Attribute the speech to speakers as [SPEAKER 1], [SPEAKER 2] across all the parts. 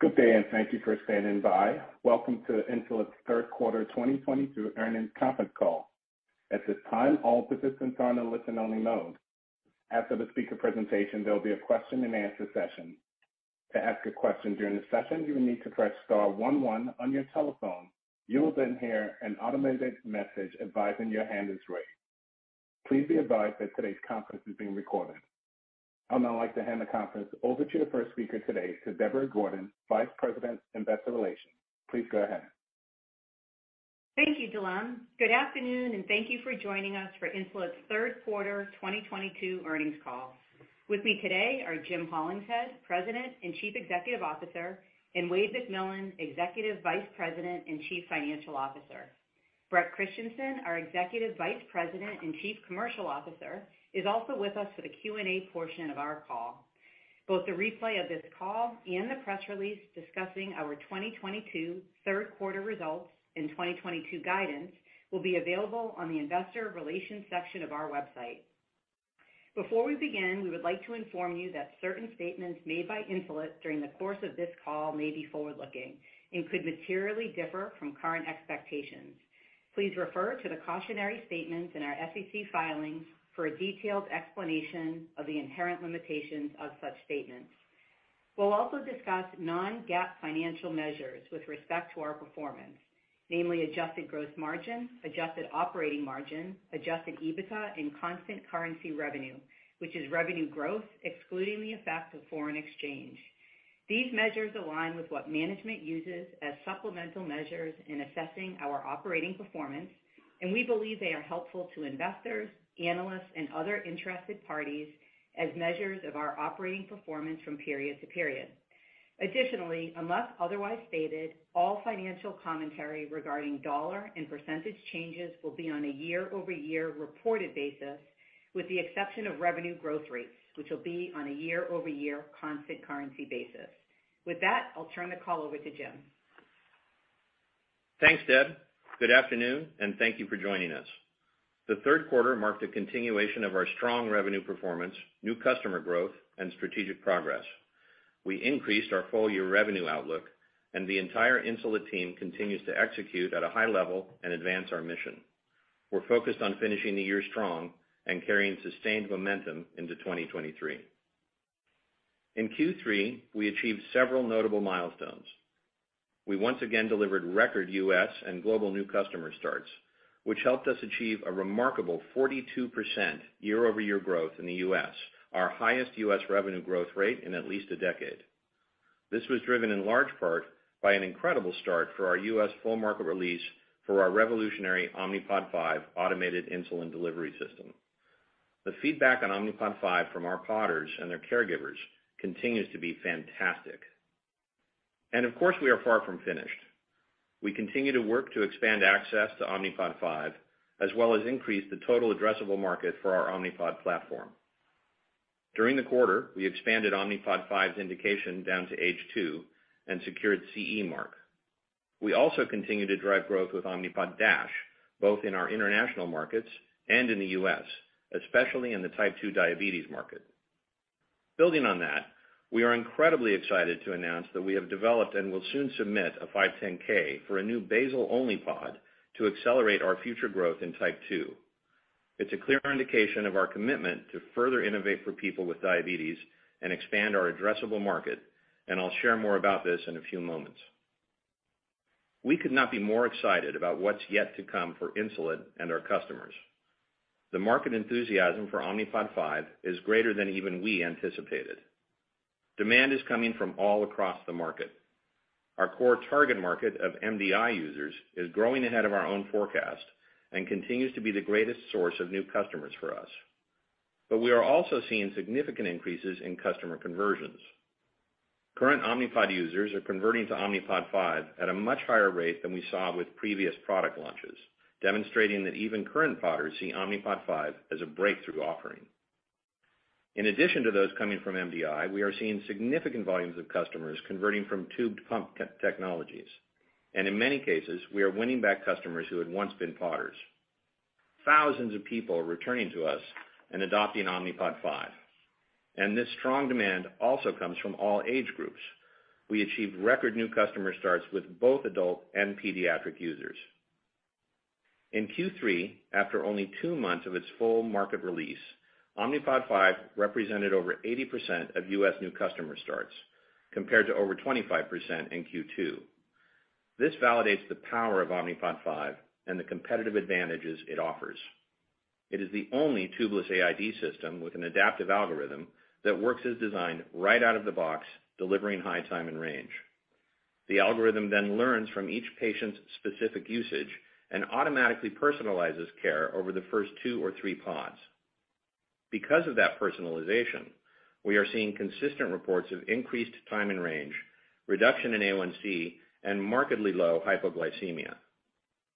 [SPEAKER 1] Good day, and thank you for standing by. Welcome to Insulet's Third Quarter 2022 Earnings Conference Call. At this time, all participants are in a listen-only mode. After the speaker presentation, there'll be a question-and-answer session. To ask a question during the session, you will need to press star one one on your telephone. You will then hear an automated message advising your hand is raised. Please be advised that today's conference is being recorded. I'd now like to hand the conference over to the first speaker today, to Deborah Gordon, Vice President, Investor Relations. Please go ahead.
[SPEAKER 2] Thank you, Dillon. Good afternoon, and thank you for joining us for Insulet's Third Quarter 2022 Earnings Call. With me today are Jim Hollingshead, President and Chief Executive Officer, and Wayde McMillan, Executive Vice President and Chief Financial Officer. Bret Christensen, our Executive Vice President and Chief Commercial Officer, is also with us for the Q&A portion of our call. Both the replay of this call and the press release discussing our 2022 third quarter results and 2022 guidance will be available on the investor relations section of our website. Before we begin, we would like to inform you that certain statements made by Insulet during the course of this call may be forward-looking and could materially differ from current expectations. Please refer to the cautionary statements in our SEC filings for a detailed explanation of the inherent limitations of such statements. We'll also discuss non-GAAP financial measures with respect to our performance, namely adjusted gross margin, adjusted operating margin, adjusted EBITDA, and constant currency revenue, which is revenue growth excluding the effect of foreign exchange. These measures align with what management uses as supplemental measures in assessing our operating performance, and we believe they are helpful to investors, analysts, and other interested parties as measures of our operating performance from period to period. Additionally, unless otherwise stated, all financial commentary regarding dollar and percentage changes will be on a year-over-year reported basis, with the exception of revenue growth rates, which will be on a year-over-year constant currency basis. With that, I'll turn the call over to Jim.
[SPEAKER 3] Thanks, Deb. Good afternoon, and thank you for joining us. The third quarter marked a continuation of our strong revenue performance, new customer growth, and strategic progress. We increased our full year revenue outlook, and the entire Insulet team continues to execute at a high level and advance our mission. We're focused on finishing the year strong and carrying sustained momentum into 2023. In Q3, we achieved several notable milestones. We once again delivered record U.S. and global new customer starts, which helped us achieve a remarkable 42% year-over-year growth in the U.S., our highest U.S. revenue growth rate in at least a decade. This was driven in large part by an incredible start for our U.S. full market release for our revolutionary Omnipod 5 automated insulin delivery system. The feedback on Omnipod 5 from our Podders and their caregivers continues to be fantastic. Of course, we are far from finished. We continue to work to expand access to Omnipod 5, as well as increase the total addressable market for our Omnipod platform. During the quarter, we expanded Omnipod 5's indication down to age 2 and secured CE mark. We also continue to drive growth with Omnipod DASH, both in our international markets and in the US, especially in the type 2 diabetes market. Building on that, we are incredibly excited to announce that we have developed and will soon submit a 510(k) for a new Basal-Only Pod to accelerate our future growth in type 2. It's a clear indication of our commitment to further innovate for people with diabetes and expand our addressable market, and I'll share more about this in a few moments. We could not be more excited about what's yet to come for Insulet and our customers. The market enthusiasm for Omnipod 5 is greater than even we anticipated. Demand is coming from all across the market. Our core target market of MDI users is growing ahead of our own forecast and continues to be the greatest source of new customers for us. We are also seeing significant increases in customer conversions. Current Omnipod users are converting to Omnipod 5 at a much higher rate than we saw with previous product launches, demonstrating that even current Podders see Omnipod 5 as a breakthrough offering. In addition to those coming from MDI, we are seeing significant volumes of customers converting from tubed pump technologies, and in many cases, we are winning back customers who had once been Podders. Thousands of people are returning to us and adopting Omnipod 5, and this strong demand also comes from all age groups. We achieved record new customer starts with both adult and pediatric users. In Q3, after only two months of its full market release, Omnipod 5 represented over 80% of U.S. new customer starts, compared to over 25% in Q2. This validates the power of Omnipod 5 and the competitive advantages it offers. It is the only tubeless AID system with an adaptive algorithm that works as designed right out of the box, delivering high time in range. The algorithm then learns from each patient's specific usage and automatically personalizes care over the first two or three pods. Because of that personalization, we are seeing consistent reports of increased time in range, reduction in A1C, and markedly low hypoglycemia.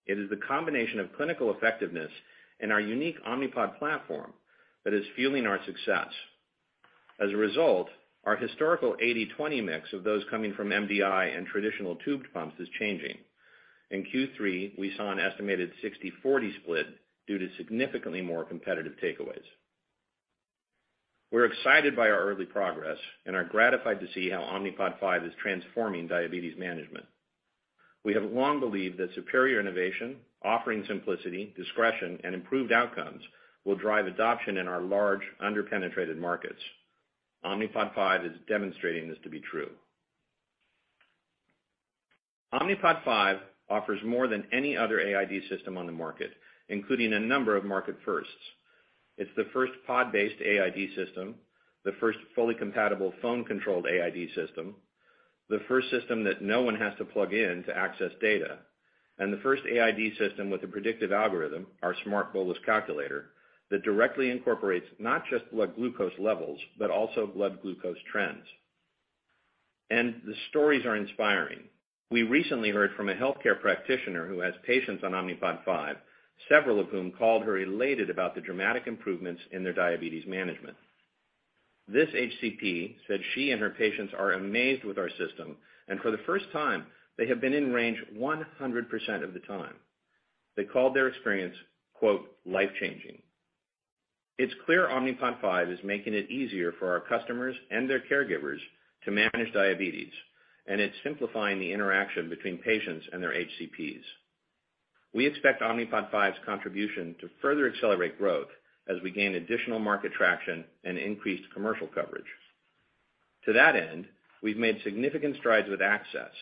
[SPEAKER 3] It is the combination of clinical effectiveness and our unique Omnipod platform that is fueling our success. As a result, our historical 80/20 mix of those coming from MDI and traditional tubed pumps is changing. In Q3, we saw an estimated 60/40 split due to significantly more competitive takeaways. We're excited by our early progress and are gratified to see how Omnipod 5 is transforming diabetes management. We have long believed that superior innovation, offering simplicity, discretion, and improved outcomes will drive adoption in our large under-penetrated markets. Omnipod 5 is demonstrating this to be true. Omnipod 5 offers more than any other AID system on the market, including a number of market firsts. It's the first pod-based AID system, the first fully compatible phone-controlled AID system, the first system that no one has to plug in to access data, and the first AID system with a predictive algorithm, our Smart Bolus Calculator, that directly incorporates not just blood glucose levels, but also blood glucose trends. The stories are inspiring. We recently heard from a healthcare practitioner who has patients on Omnipod 5, several of whom called her elated about the dramatic improvements in their diabetes management. This HCP said she and her patients are amazed with our system, and for the first time, they have been in range 100% of the time. They called their experience "life-changing." It's clear Omnipod 5 is making it easier for our customers and their caregivers to manage diabetes, and it's simplifying the interaction between patients and their HCPs. We expect Omnipod 5's contribution to further accelerate growth as we gain additional market traction and increased commercial coverage. To that end, we've made significant strides with access,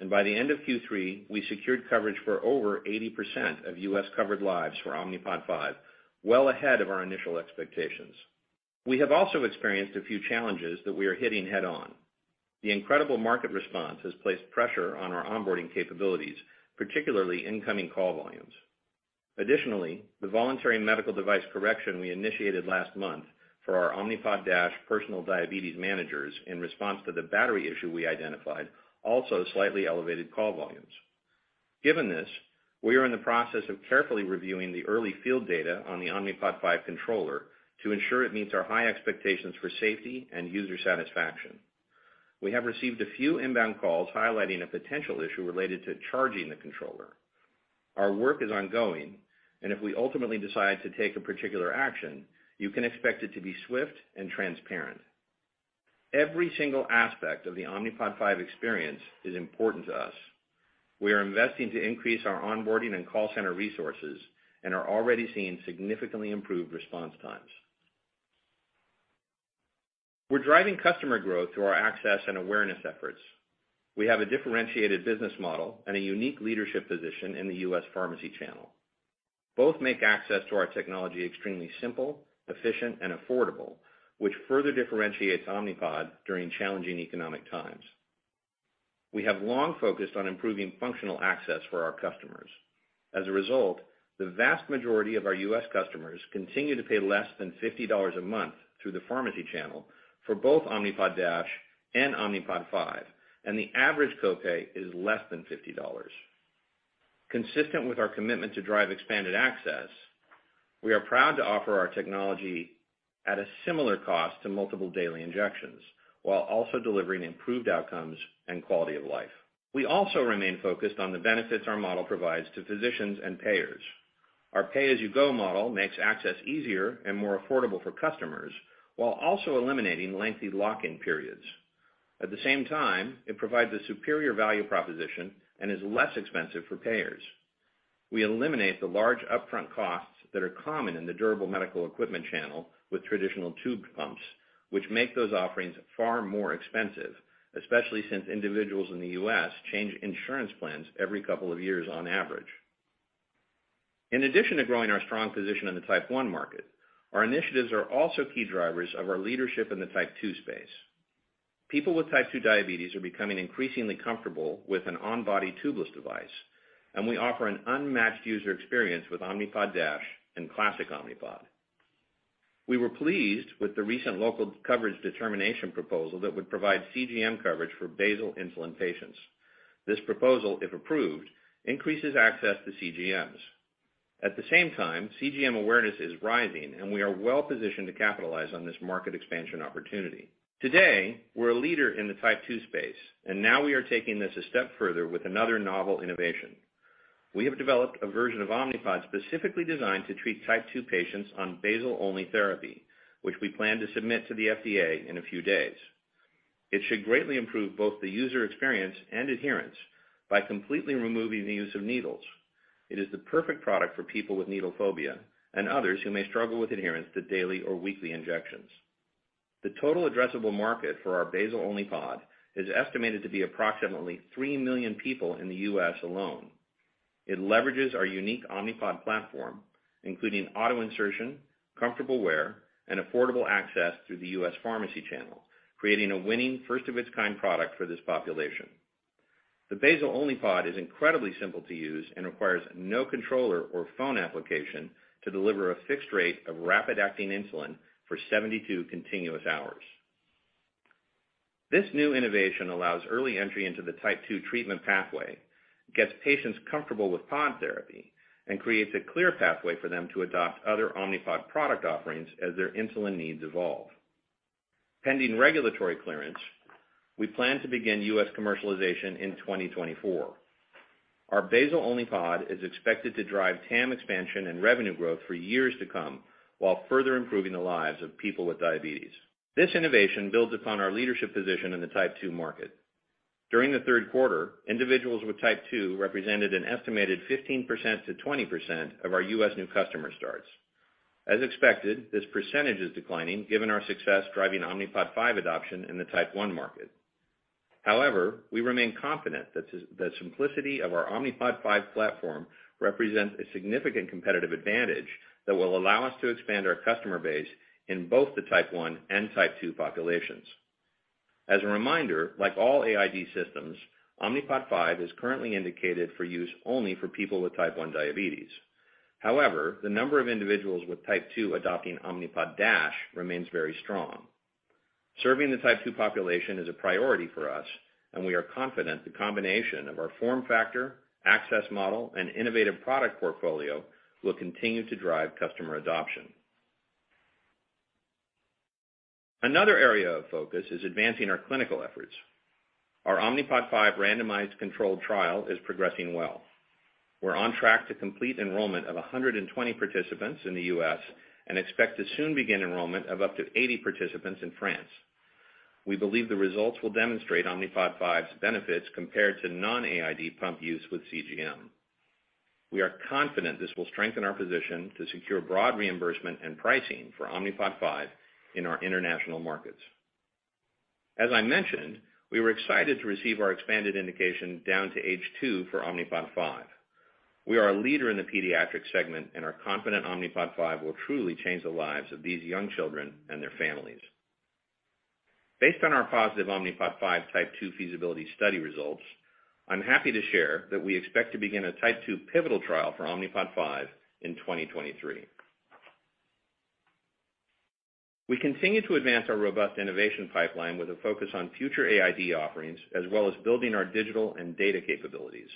[SPEAKER 3] and by the end of Q3, we secured coverage for over 80% of U.S.-covered lives for Omnipod 5, well ahead of our initial expectations. We have also experienced a few challenges that we are hitting head-on. The incredible market response has placed pressure on our onboarding capabilities, particularly incoming call volumes. Additionally, the voluntary medical device correction we initiated last month for our Omnipod DASH Personal Diabetes Managers in response to the battery issue we identified also slightly elevated call volumes. Given this, we are in the process of carefully reviewing the early field data on the Omnipod 5 controller to ensure it meets our high expectations for safety and user satisfaction. We have received a few inbound calls highlighting a potential issue related to charging the controller. Our work is ongoing, and if we ultimately decide to take a particular action, you can expect it to be swift and transparent. Every single aspect of the Omnipod 5 experience is important to us. We are investing to increase our onboarding and call center resources and are already seeing significantly improved response times. We're driving customer growth through our access and awareness efforts. We have a differentiated business model and a unique leadership position in the U.S. pharmacy channel. Both make access to our technology extremely simple, efficient and affordable, which further differentiates Omnipod during challenging economic times. We have long focused on improving functional access for our customers. As a result, the vast majority of our U.S. customers continue to pay less than $50 a month through the pharmacy channel for both Omnipod DASH and Omnipod 5, and the average copay is less than $50. Consistent with our commitment to drive expanded access, we are proud to offer our technology at a similar cost to multiple daily injections while also delivering improved outcomes and quality of life. We also remain focused on the benefits our model provides to physicians and payers. Our pay-as-you-go model makes access easier and more affordable for customers while also eliminating lengthy lock-in periods. At the same time, it provides a superior value proposition and is less expensive for payers. We eliminate the large upfront costs that are common in the durable medical equipment channel with traditional tubed pumps, which make those offerings far more expensive, especially since individuals in the U.S. change insurance plans every couple of years on average. In addition to growing our strong position in the type 1 market, our initiatives are also key drivers of our leadership in the type 2 space. People with type 2 diabetes are becoming increasingly comfortable with an on-body tubeless device, and we offer an unmatched user experience with Omnipod DASH and Classic Omnipod. We were pleased with the recent Local Coverage Determination proposal that would provide CGM coverage for basal insulin patients. This proposal, if approved, increases access to CGMs. At the same time, CGM awareness is rising, and we are well-positioned to capitalize on this market expansion opportunity. Today, we're a leader in the type 2 space, and now we are taking this a step further with another novel innovation. We have developed a version of Omnipod specifically designed to treat type 2 patients on Basal-Only therapy, which we plan to submit to the FDA in a few days. It should greatly improve both the user experience and adherence by completely removing the use of needles. It is the perfect product for people with needle phobia and others who may struggle with adherence to daily or weekly injections. The total addressable market for our Basal-Only Pod is estimated to be approximately 3 million people in the U.S. alone. It leverages our unique Omnipod platform, including auto insertion, comfortable wear, and affordable access through the U.S. pharmacy channel, creating a winning first of its kind product for this population. The Basal-Only Pod is incredibly simple to use and requires no controller or phone application to deliver a fixed rate of rapid-acting insulin for 72 continuous hours. This new innovation allows early entry into the type 2 treatment pathway, gets patients comfortable with pod therapy, and creates a clear pathway for them to adopt other Omnipod product offerings as their insulin needs evolve. Pending regulatory clearance, we plan to begin U.S. commercialization in 2024. Our Basal-Only Pod is expected to drive TAM expansion and revenue growth for years to come, while further improving the lives of people with diabetes. This innovation builds upon our leadership position in the type 2 market. During the third quarter, individuals with type 2 represented an estimated 15%-20% of our U.S. new customer starts. As expected, this percentage is declining given our success driving Omnipod 5 adoption in the type 1 market. However, we remain confident that the simplicity of our Omnipod 5 platform represents a significant competitive advantage that will allow us to expand our customer base in both the type 1 and type 2 populations. As a reminder, like all AID systems, Omnipod 5 is currently indicated for use only for people with type 1 diabetes. However, the number of individuals with type 2 adopting Omnipod DASH remains very strong. Serving the type 2 population is a priority for us, and we are confident the combination of our form factor, access model, and innovative product portfolio will continue to drive customer adoption. Another area of focus is advancing our clinical efforts. Our Omnipod 5 randomized controlled trial is progressing well. We're on track to complete enrollment of 120 participants in the U.S. and expect to soon begin enrollment of up to 80 participants in France. We believe the results will demonstrate Omnipod 5's benefits compared to non-AID pump use with CGM. We are confident this will strengthen our position to secure broad reimbursement and pricing for Omnipod 5 in our international markets. As I mentioned, we were excited to receive our expanded indication down to age 2 for Omnipod 5. We are a leader in the pediatric segment and are confident Omnipod 5 will truly change the lives of these young children and their families. Based on our positive Omnipod 5 type 2 feasibility study results, I'm happy to share that we expect to begin a type 2 pivotal trial for Omnipod 5 in 2023. We continue to advance our robust innovation pipeline with a focus on future AID offerings, as well as building our digital and data capabilities.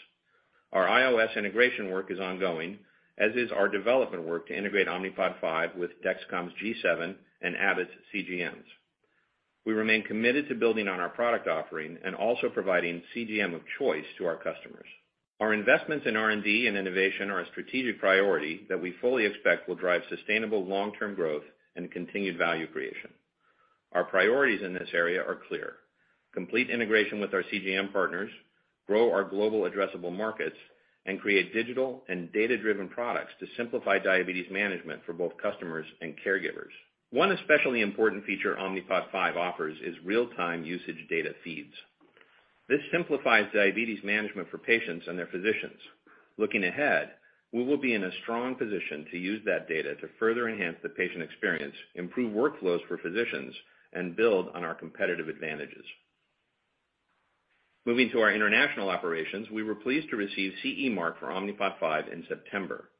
[SPEAKER 3] Our iOS integration work is ongoing, as is our development work to integrate Omnipod 5 with Dexcom's G7 and Abbott's CGMs. We remain committed to building on our product offering and also providing CGM of choice to our customers. Our investments in R&D and innovation are a strategic priority that we fully expect will drive sustainable long-term growth and continued value creation. Our priorities in this area are clear, complete integration with our CGM partners, grow our global addressable markets, and create digital and data-driven products to simplify diabetes management for both customers and caregivers. One especially important feature Omnipod 5 offers is real-time usage data feeds. This simplifies diabetes management for patients and their physicians. Looking ahead, we will be in a strong position to use that data to further enhance the patient experience, improve workflows for physicians, and build on our competitive advantages. Moving to our international operations, we were pleased to receive CE mark for Omnipod 5 in September.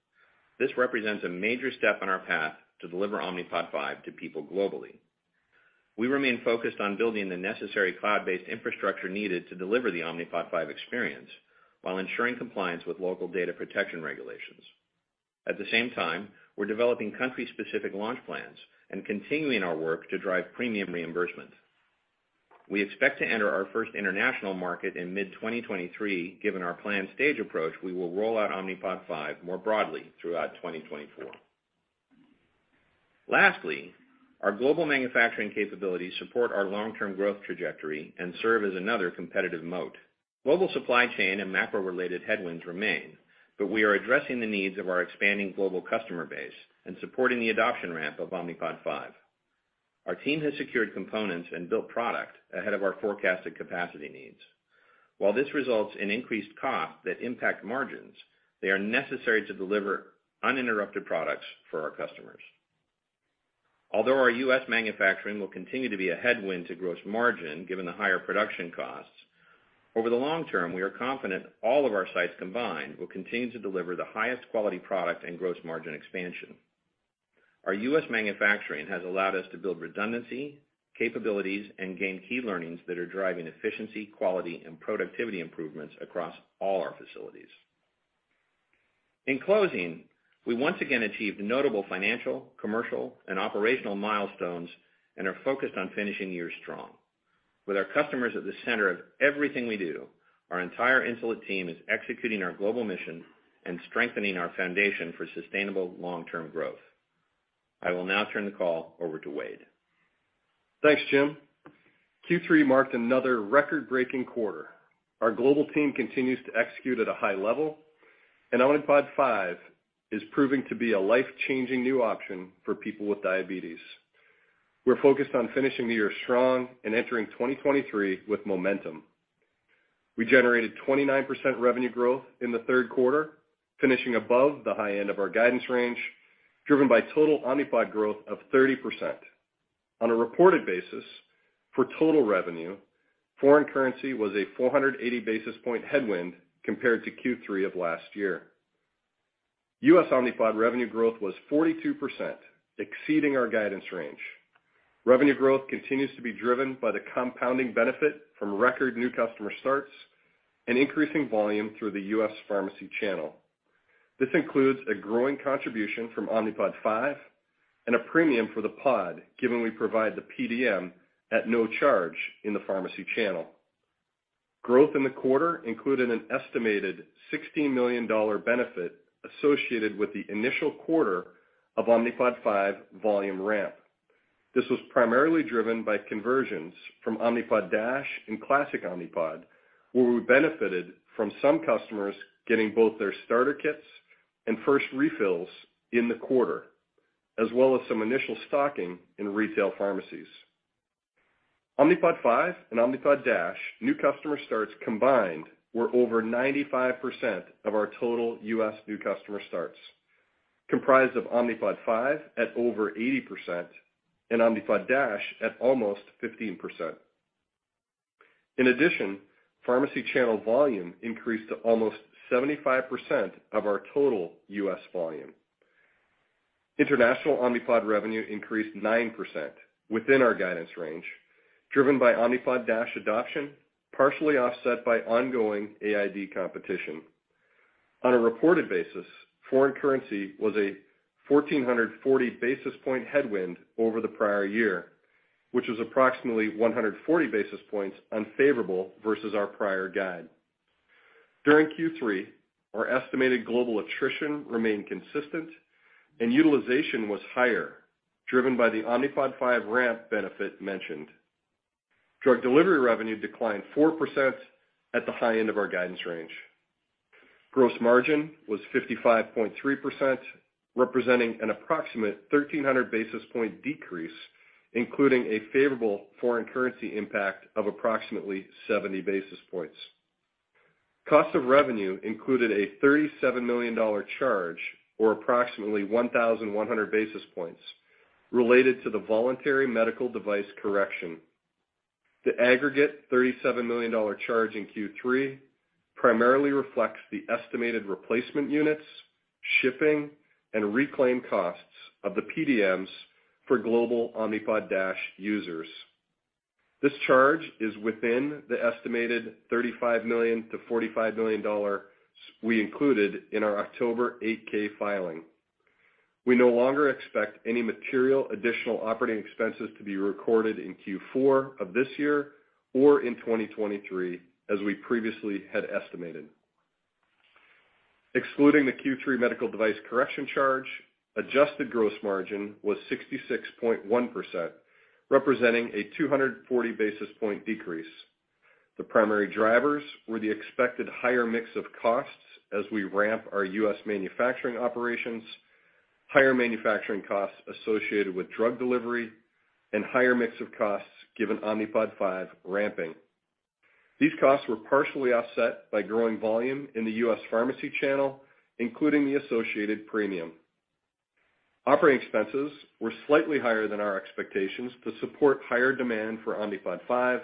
[SPEAKER 3] This represents a major step on our path to deliver Omnipod 5 to people globally. We remain focused on building the necessary cloud-based infrastructure needed to deliver the Omnipod 5 experience while ensuring compliance with local data protection regulations. At the same time, we're developing country-specific launch plans and continuing our work to drive premium reimbursement. We expect to enter our first international market in mid-2023. Given our planned stage approach, we will roll out Omnipod 5 more broadly throughout 2024. Lastly, our global manufacturing capabilities support our long-term growth trajectory and serve as another competitive moat. Global supply chain and MAPA-related headwinds remain, but we are addressing the needs of our expanding global customer base and supporting the adoption ramp of Omnipod 5. Our team has secured components and built product ahead of our forecasted capacity needs. While this results in increased costs that impact margins, they are necessary to deliver uninterrupted products for our customers. Although our U.S. manufacturing will continue to be a headwind to gross margin, given the higher production costs, over the long term, we are confident all of our sites combined will continue to deliver the highest quality product and gross margin expansion. Our U.S. manufacturing has allowed us to build redundancy, capabilities, and gain key learnings that are driving efficiency, quality, and productivity improvements across all our facilities. In closing, we once again achieved notable financial, commercial, and operational milestones and are focused on finishing the year strong. With our customers at the center of everything we do, our entire Insulet team is executing our global mission and strengthening our foundation for sustainable long-term growth. I will now turn the call over to Wayde McMillan.
[SPEAKER 4] Thanks, Jim. Q3 marked another record-breaking quarter. Our global team continues to execute at a high level, and Omnipod 5 is proving to be a life-changing new option for people with diabetes. We're focused on finishing the year strong and entering 2023 with momentum. We generated 29% revenue growth in the third quarter, finishing above the high end of our guidance range, driven by total Omnipod growth of 30%. On a reported basis, for total revenue, foreign currency was a 480 basis point headwind compared to Q3 of last year. U.S. Omnipod revenue growth was 42%, exceeding our guidance range. Revenue growth continues to be driven by the compounding benefit from record new customer starts and increasing volume through the U.S. pharmacy channel. This includes a growing contribution from Omnipod 5 and a premium for the Pod, given we provide the PDM at no charge in the pharmacy channel. Growth in the quarter included an estimated $16 million benefit associated with the initial quarter of Omnipod 5 volume ramp. This was primarily driven by conversions from Omnipod DASH and Omnipod Classic, where we benefited from some customers getting both their starter kits and first refills in the quarter, as well as some initial stocking in retail pharmacies. Omnipod 5 and Omnipod DASH new customer starts combined were over 95% of our total U.S. new customer starts, comprised of Omnipod 5 at over 80% and Omnipod DASH at almost 15%. In addition, pharmacy channel volume increased to almost 75% of our total U.S. volume. International Omnipod revenue increased 9% within our guidance range, driven by Omnipod DASH adoption, partially offset by ongoing AID competition. On a reported basis, foreign currency was a 1,440 basis point headwind over the prior year, which is approximately 140 basis points unfavorable versus our prior guide. During Q3, our estimated global attrition remained consistent and utilization was higher, driven by the Omnipod 5 ramp benefit mentioned. Drug delivery revenue declined 4% at the high end of our guidance range. Gross margin was 55.3%, representing an approximate 1,300 basis point decrease, including a favorable foreign currency impact of approximately 70 basis points. Cost of revenue included a $37 million charge, or approximately 1,100 basis points, related to the voluntary medical device correction. The aggregate $37 million charge in Q3 primarily reflects the estimated replacement units, shipping, and reclaim costs of the PDMs for global Omnipod DASH users. This charge is within the estimated $35 million-$45 million we included in our October 8-K filing. We no longer expect any material additional operating expenses to be recorded in Q4 of this year or in 2023, as we previously had estimated. Excluding the Q3 medical device correction charge, adjusted gross margin was 66.1%, representing a 240 basis point decrease. The primary drivers were the expected higher mix of costs as we ramp our U.S. manufacturing operations, higher manufacturing costs associated with drug delivery, and higher mix of costs given Omnipod 5 ramping. These costs were partially offset by growing volume in the U.S. pharmacy channel, including the associated premium. Operating expenses were slightly higher than our expectations to support higher demand for Omnipod 5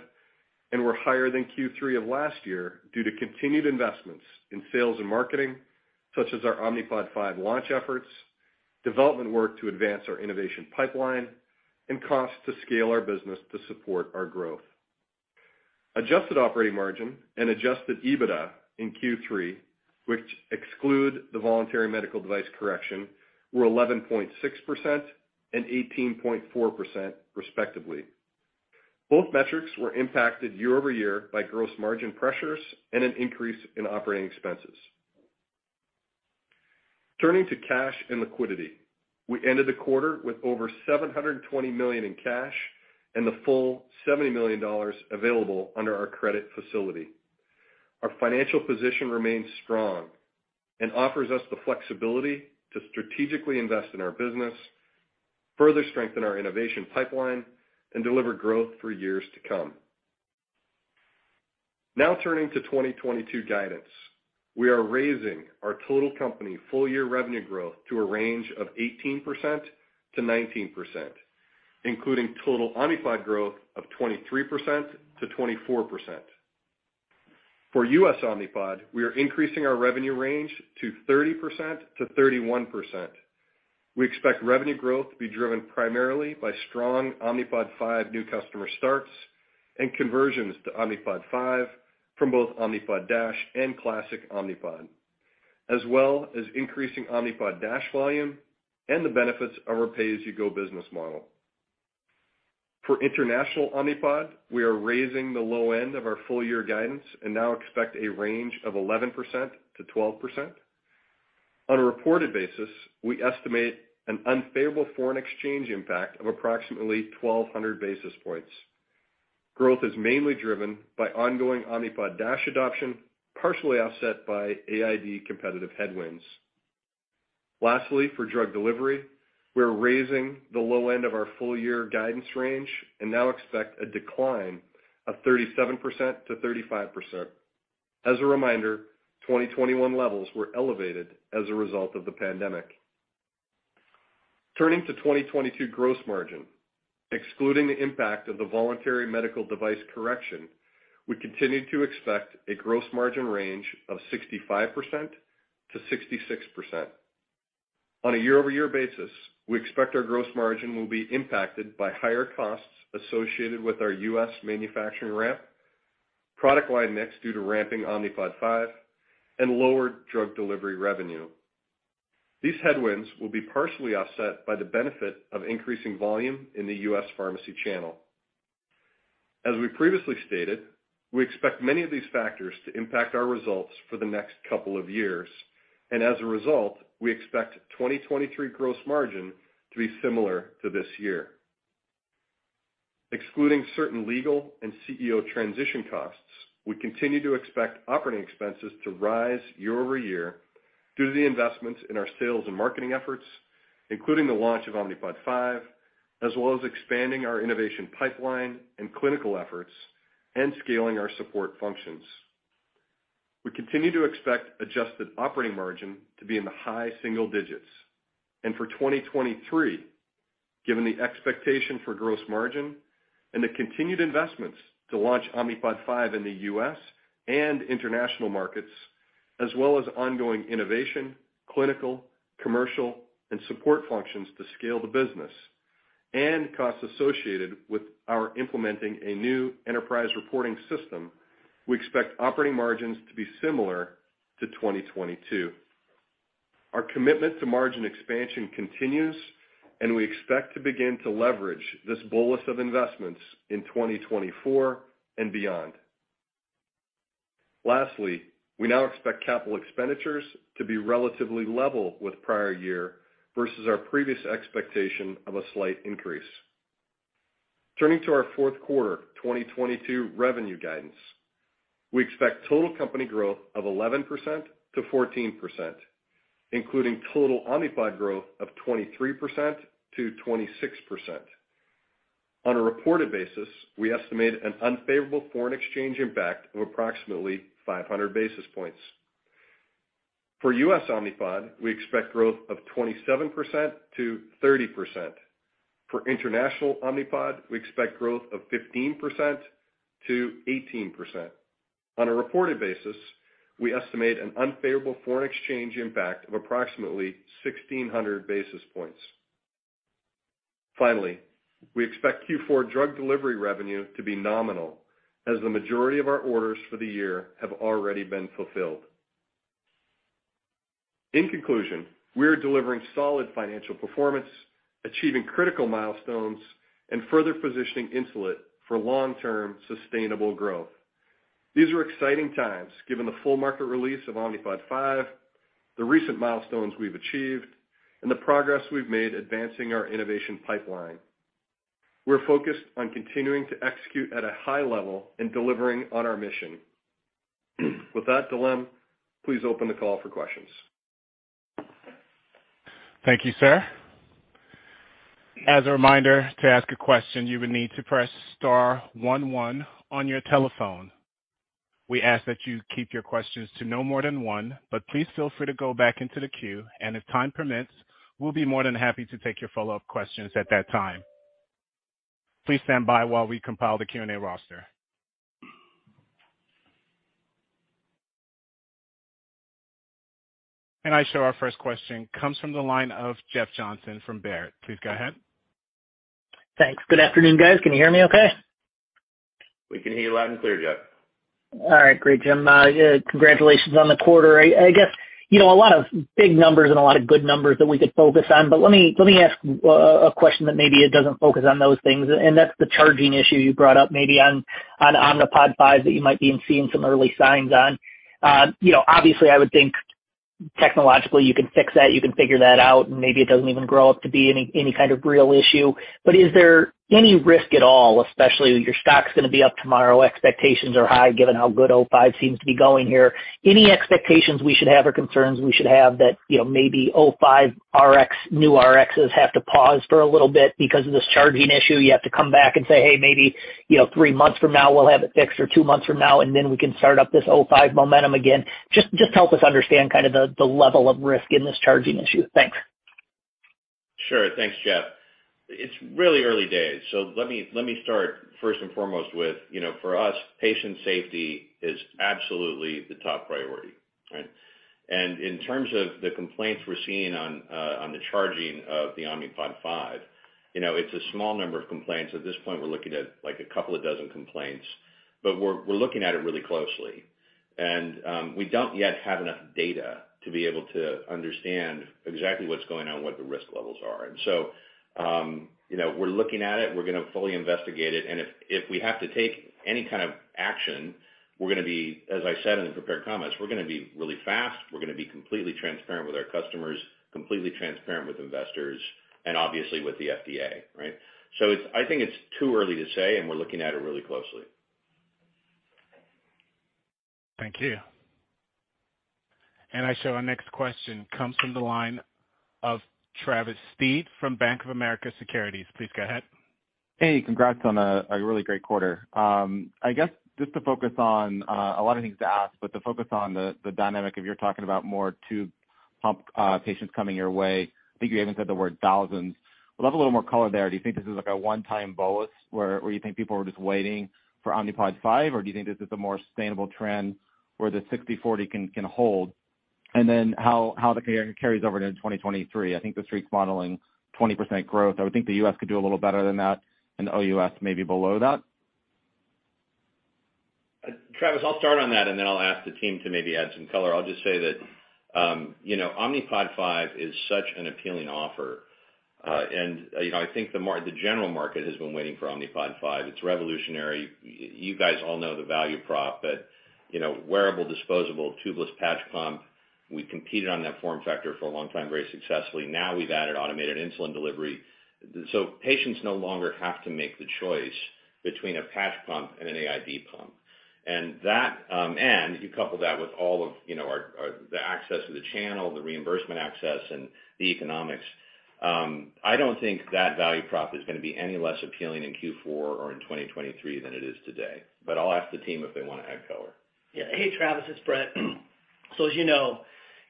[SPEAKER 4] and were higher than Q3 of last year due to continued investments in sales and marketing, such as our Omnipod 5 launch efforts, development work to advance our innovation pipeline, and costs to scale our business to support our growth. Adjusted operating margin and adjusted EBITDA in Q3, which exclude the voluntary medical device correction, were 11.6% and 18.4% respectively. Both metrics were impacted year-over-year by gross margin pressures and an increase in operating expenses. Turning to cash and liquidity, we ended the quarter with over $720 million in cash and the full $70 million available under our credit facility. Our financial position remains strong and offers us the flexibility to strategically invest in our business, further strengthen our innovation pipeline, and deliver growth for years to come. Now turning to 2022 guidance. We are raising our total company full year revenue growth to a range of 18%-19%, including total Omnipod growth of 23%-24%. For U.S. Omnipod, we are increasing our revenue range to 30%-31%. We expect revenue growth to be driven primarily by strong Omnipod 5 new customer starts and conversions to Omnipod 5 from both Omnipod DASH and Classic Omnipod, as well as increasing Omnipod DASH volume and the benefits of our pay-as-you-go business model. For international Omnipod, we are raising the low end of our full year guidance and now expect a range of 11%-12%. On a reported basis, we estimate an unfavorable foreign exchange impact of approximately 1,200 basis points. Growth is mainly driven by ongoing Omnipod DASH adoption, partially offset by AID competitive headwinds. Lastly, for drug delivery, we're raising the low end of our full year guidance range and now expect a decline of 37%-35%. As a reminder, 2021 levels were elevated as a result of the pandemic. Turning to 2022 gross margin. Excluding the impact of the voluntary medical device correction, we continue to expect a gross margin range of 65%-66%. On a year-over-year basis, we expect our gross margin will be impacted by higher costs associated with our U.S. manufacturing ramp, product-wide mix due to ramping Omnipod 5, and lower drug delivery revenue. These headwinds will be partially offset by the benefit of increasing volume in the U.S. pharmacy channel. As we previously stated, we expect many of these factors to impact our results for the next couple of years. As a result, we expect 2023 gross margin to be similar to this year. Excluding certain legal and CEO transition costs, we continue to expect operating expenses to rise year-over-year due to the investments in our sales and marketing efforts, including the launch of Omnipod 5, as well as expanding our innovation pipeline and clinical efforts and scaling our support functions. We continue to expect adjusted operating margin to be in the high single-digits. For 2023, given the expectation for gross margin and the continued investments to launch Omnipod 5 in the U.S. and international markets, as well as ongoing innovation, clinical, commercial, and support functions to scale the business, and costs associated with our implementing a new enterprise reporting system, we expect operating margins to be similar to 2022. Our commitment to margin expansion continues, and we expect to begin to leverage this bolus of investments in 2024 and beyond. Lastly, we now expect capital expenditures to be relatively level with prior year versus our previous expectation of a slight increase. Turning to our fourth quarter 2022 revenue guidance, we expect total company growth of 11%-14%, including total Omnipod growth of 23%-26%. On a reported basis, we estimate an unfavorable foreign exchange impact of approximately 500 basis points. For U.S. Omnipod, we expect growth of 27%-30%. For international Omnipod, we expect growth of 15%-18%. On a reported basis, we estimate an unfavorable foreign exchange impact of approximately 1,600 basis points. Finally, we expect Q4 drug delivery revenue to be nominal as the majority of our orders for the year have already been fulfilled. In conclusion, we are delivering solid financial performance, achieving critical milestones, and further positioning Insulet for long-term sustainable growth. These are exciting times, given the full market release of Omnipod 5, the recent milestones we've achieved, and the progress we've made advancing our innovation pipeline. We're focused on continuing to execute at a high level in delivering on our mission. With that, Dylan, please open the call for questions.
[SPEAKER 1] Thank you, sir. As a reminder to ask a question, you would need to press star one one on your telephone. We ask that you keep your questions to no more than one, but please feel free to go back into the queue, and if time permits, we'll be more than happy to take your follow-up questions at that time. Please stand by while we compile the Q&A roster. I show our first question comes from the line of Jeff Johnson from Baird. Please go ahead.
[SPEAKER 5] Thanks. Good afternoon, guys. Can you hear me okay?
[SPEAKER 4] We can hear you loud and clear, Jeff.
[SPEAKER 5] All right. Great, Jim. Yeah, congratulations on the quarter. I guess, you know, a lot of big numbers and a lot of good numbers that we could focus on, but let me ask a question that maybe it doesn't focus on those things, and that's the charging issue you brought up maybe on Omnipod 5 that you might be seeing some early signs on. You know, obviously, I would think technologically you can fix that, you can figure that out, and maybe it doesn't even grow up to be any kind of real issue. Is there any risk at all, especially your stock's gonna be up tomorrow, expectations are high given how good Omnipod 5 seems to be going here. Any expectations we should have or concerns we should have that, you know, maybe Omnipod 5 Rx, new Rx's have to pause for a little bit because of this charging issue? You have to come back and say, "Hey, maybe, you know, three months from now we'll have it fixed, or two months from now, and then we can start up this Omnipod 5 momentum again." Just help us understand kind of the level of risk in this charging issue. Thanks.
[SPEAKER 4] Sure. Thanks, Jeff. It's really early days, so let me start first and foremost with, you know, for us, patient safety is absolutely the top priority, right? In terms of the complaints we're seeing on the charging of the Omnipod 5, you know, it's a small number of complaints. At this point, we're looking at like a couple of dozen complaints. We're looking at it really closely. We don't yet have enough data to be able to understand exactly what's going on, what the risk levels are. You know, we're looking at it, we're gonna fully investigate it, and if we have to take any kind of action, we're gonna be as I said in the prepared comments, we're gonna be really fast, we're gonna be completely transparent with our customers, completely transparent with investors, and obviously with the FDA, right? I think it's too early to say, and we're looking at it really closely.
[SPEAKER 1] Thank you. I show our next question comes from the line of Travis Steed from Bank of America Securities. Please go ahead.
[SPEAKER 6] Hey, congrats on a really great quarter. I guess just to focus on a lot of things to ask, but to focus on the dynamic you're talking about more tubed pump patients coming your way. I think you even said the word thousands. I'd love a little more color there. Do you think this is like a one-time bolus where you think people were just waiting for Omnipod 5, or do you think this is a more sustainable trend where the 60/40 can hold, and then how the carryover carries over into 2023. I think the Street's modeling 20% growth. I would think the U.S. could do a little better than that and OUS maybe below that.
[SPEAKER 3] Travis, I'll start on that, and then I'll ask the team to maybe add some color. I'll just say that, you know, Omnipod 5 is such an appealing offer. You know, I think the general market has been waiting for Omnipod 5. It's revolutionary. You guys all know the value prop, but, you know, wearable, disposable, tubeless patch pump, we competed on that form factor for a long time very successfully. Now we've added automated insulin delivery. Patients no longer have to make the choice between a patch pump and an AID pump. That, you couple that with all of, you know, our access to the channel, the reimbursement access and the economics. I don't think that value prop is gonna be any less appealing in Q4 or in 2023 than it is today. I'll ask the team if they wanna add color.
[SPEAKER 7] Yeah. Hey, Travis, it's Bret. As you know,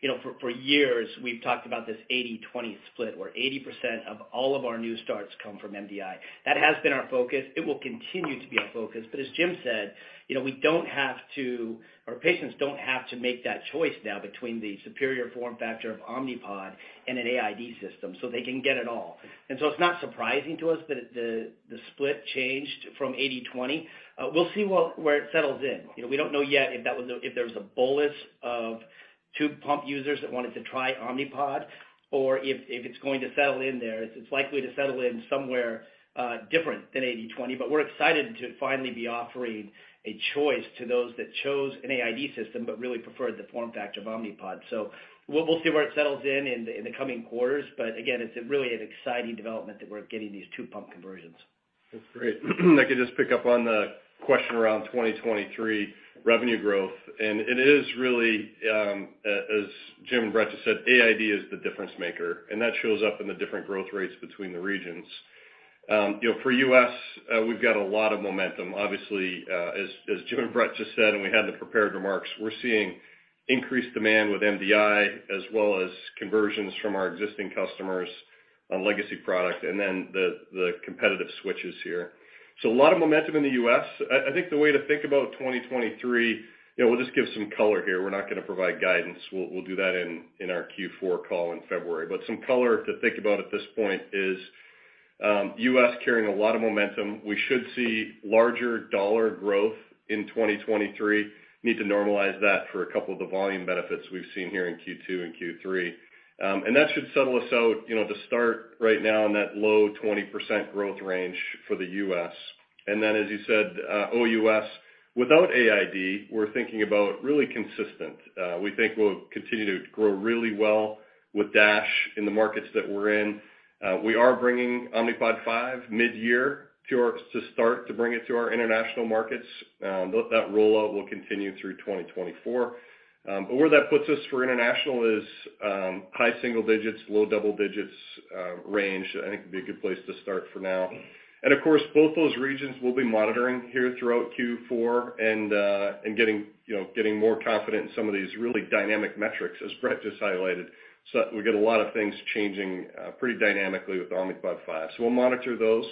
[SPEAKER 7] you know, for years, we've talked about this 80/20 split, where 80% of all of our new starts come from MDI. That has been our focus. It will continue to be our focus. As Jim said, you know, or patients don't have to make that choice now between the superior form factor of Omnipod and an AID system, so they can get it all. It's not surprising to us that the split changed from 80/20. We'll see where it settles in. You know, we don't know yet if there was a bolus of tube pump users that wanted to try Omnipod or if it's going to settle in there. It's likely to settle in somewhere different than 80/20, but we're excited to finally be offering a choice to those that chose an AID system but really preferred the form factor of Omnipod. We'll see where it settles in the coming quarters, but again, it's really an exciting development that we're getting these tube pump conversions.
[SPEAKER 4] That's great. If I could just pick up on the question around 2023 revenue growth, and it is really, as Jim and Bret just said, AID is the difference maker, and that shows up in the different growth rates between the regions. You know, for U.S., we've got a lot of momentum. Obviously, as Jim and Bret just said, and we had in the prepared remarks, we're seeing increased demand with MDI as well as conversions from our existing customers on legacy product and then the competitive switches here. So a lot of momentum in the US. I think the way to think about 2023, you know, we'll just give some color here. We're not gonna provide guidance. We'll do that in our Q4 call in February. Some color to think about at this point is U.S. carrying a lot of momentum. We should see larger dollar growth in 2023. Need to normalize that for a couple of the volume benefits we've seen here in Q2 and Q3. That should settle us out, you know, to start right now in that low 20% growth range for the U.S. Then as you said, OUS, without AID, we're thinking about really consistent. We think we'll continue to grow really well with DASH in the markets that we're in. We are bringing Omnipod 5 midyear to start to bring it to our international markets. That rollout will continue through 2024. Where that puts us for international is high single-digits, low double-digits range. I think would be a good place to start for now. Of course, both those regions we'll be monitoring here throughout Q4 and getting you know more confident in some of these really dynamic metrics, as Bret just highlighted. We'll get a lot of things changing pretty dynamically with Omnipod 5. We'll monitor those,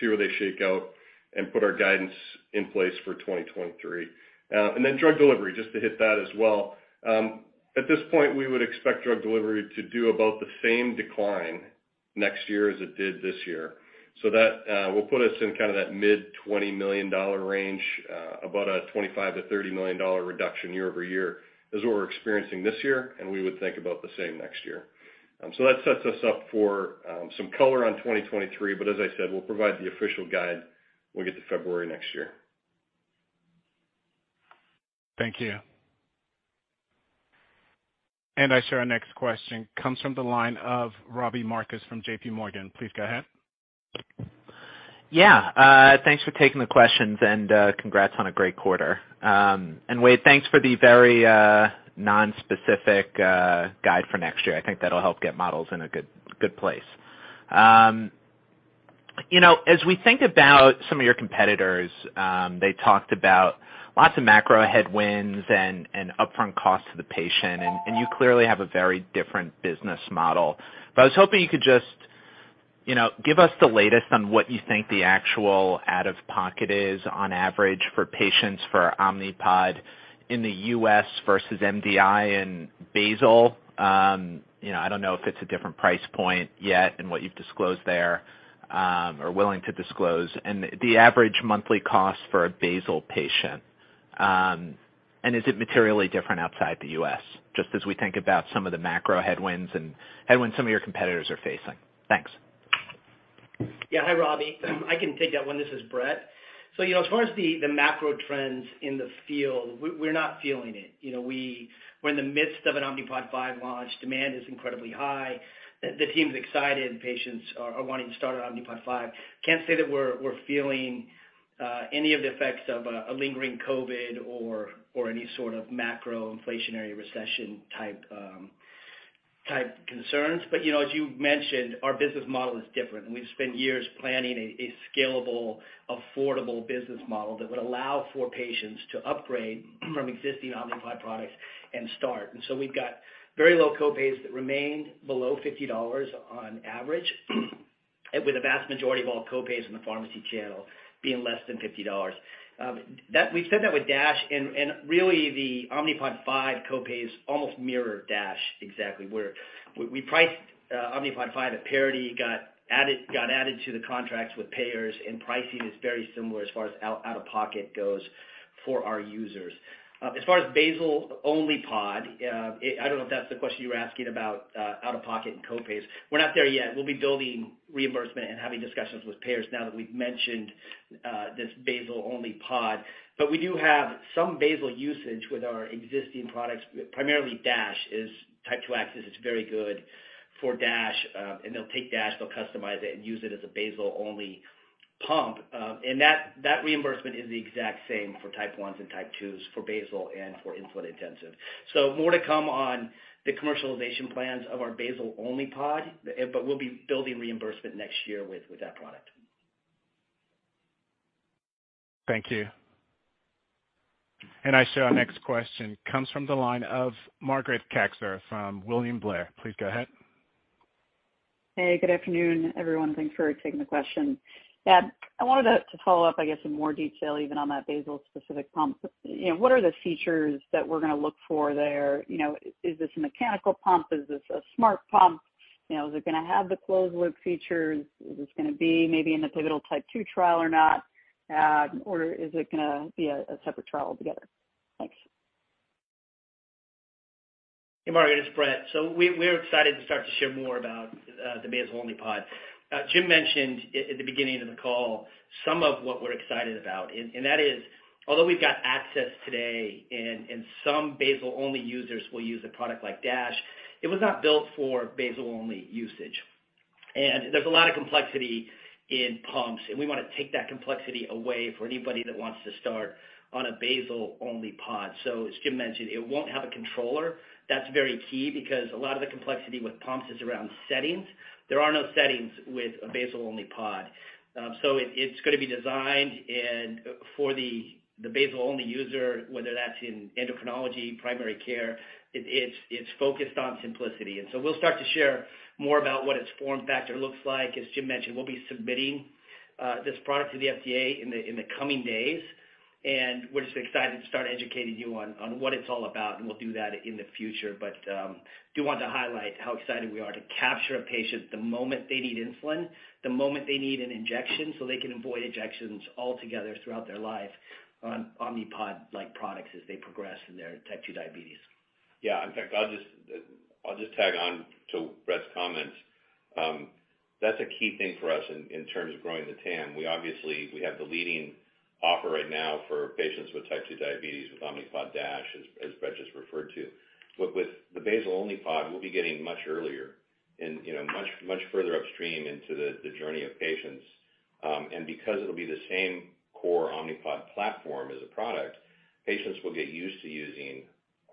[SPEAKER 4] see where they shake out, and put our guidance in place for 2023. Then drug delivery, just to hit that as well. At this point, we would expect drug delivery to do about the same decline next year as it did this year. That will put us in kind of that mid-$20 million range, about a $25 million-$30 million reduction year-over-year is what we're experiencing this year, and we would think about the same next year. That sets us up for some color on 2023, as I said, we'll provide the official guide when we get to February next year.
[SPEAKER 1] Thank you. I show our next question comes from the line of Robbie Marcus from JPMorgan. Please go ahead.
[SPEAKER 8] Yeah. Thanks for taking the questions, and congrats on a great quarter. Wayde, thanks for the very nonspecific guide for next year. I think that'll help get models in a good place. You know, as we think about some of your competitors, they talked about lots of macro headwinds and upfront costs to the patient, and you clearly have a very different business model. I was hoping you could just, you know, give us the latest on what you think the actual out-of-pocket is on average for patients for Omnipod in the U.S. versus MDI and basal. You know, I don't know if it's a different price point yet in what you've disclosed there, or willing to disclose, and the average monthly cost for a basal patient. Is it materially different outside the U.S., just as we think about some of the macro headwinds some of your competitors are facing? Thanks.
[SPEAKER 7] Yeah. Hi, Robbie. I can take that one. This is Bret. So, you know, as far as the macro trends in the field, we're not feeling it. You know, we're in the midst of an Omnipod 5 launch. Demand is incredibly high. The team's excited. Patients are wanting to start on Omnipod 5. Can't say that we're feeling any of the effects of a lingering COVID or any sort of macro inflationary recession type concerns. You know, as you mentioned, our business model is different, and we've spent years planning a scalable, affordable business model that would allow for patients to upgrade from existing Omnipod products and start. We've got very low co-pays that remain below $50 on average. With the vast majority of all co-pays in the pharmacy channel being less than $50. We've said that with DASH and really the Omnipod 5 co-pays almost mirror DASH exactly, where we priced Omnipod 5 at parity, got added to the contracts with payers, and pricing is very similar as far as out of pocket goes for our users. As far as Basal-Only Pod, I don't know if that's the question you were asking about, out-of-pocket and co-pays. We're not there yet. We'll be building reimbursement and having discussions with payers now that we've mentioned this Basal-Only Pod. But we do have some basal usage with our existing products. Primarily DASH is type 2 access. It's very good for DASH, and they'll take DASH, they'll customize it and use it as a Basal-Only Pump. That reimbursement is the exact same for type 1s and type 2s for basal and for insulin intensive. More to come on the commercialization plans of our Basal-Only Pod, but we'll be building reimbursement next year with that product.
[SPEAKER 1] Thank you. I show our next question comes from the line of Margaret Kaczor from William Blair. Please go ahead.
[SPEAKER 9] Hey, good afternoon, everyone. Thanks for taking the question. I wanted to follow up, I guess, in more detail, even on that basal specific pump. You know, what are the features that we're gonna look for there? You know, is this a mechanical pump? Is this a smart pump? You know, is it gonna have the closed loop features? Is this gonna be maybe in the pivotal type 2 trial or not? Or is it gonna be a separate trial altogether? Thanks.
[SPEAKER 7] Hey, Margaret, it's Bret. We're excited to start to share more about the Basal-Only Pod. Jim mentioned at the beginning of the call some of what we're excited about. That is, although we've got access today and some Basal-Only users will use a product like DASH, it was not built for Basal-Only usage. There's a lot of complexity in pumps, and we wanna take that complexity away for anybody that wants to start on a Basal-Only Pod. As Jim mentioned, it won't have a controller. That's very key because a lot of the complexity with pumps is around settings. There are no settings with a Basal-Only Pod. It's gonna be designed for the Basal-Only user, whether that's in endocrinology, primary care. It's focused on simplicity. We'll start to share more about what its form factor looks like. As Jim mentioned, we'll be submitting this product to the FDA in the coming days, and we're just excited to start educating you on what it's all about, and we'll do that in the future. Do want to highlight how excited we are to capture a patient the moment they need insulin, the moment they need an injection, so they can avoid injections altogether throughout their life on Omnipod like products as they progress in their type 2 diabetes.
[SPEAKER 3] Yeah. In fact, I'll just tag on to Bret's comments. That's a key thing for us in terms of growing the TAM. We obviously have the leading offer right now for patients with type 2 diabetes with Omnipod DASH as Bret just referred to. But with the Basal-Only Pod, we'll be getting much earlier and much further upstream into the journey of patients. And because it'll be the same core Omnipod platform as a product, patients will get used to using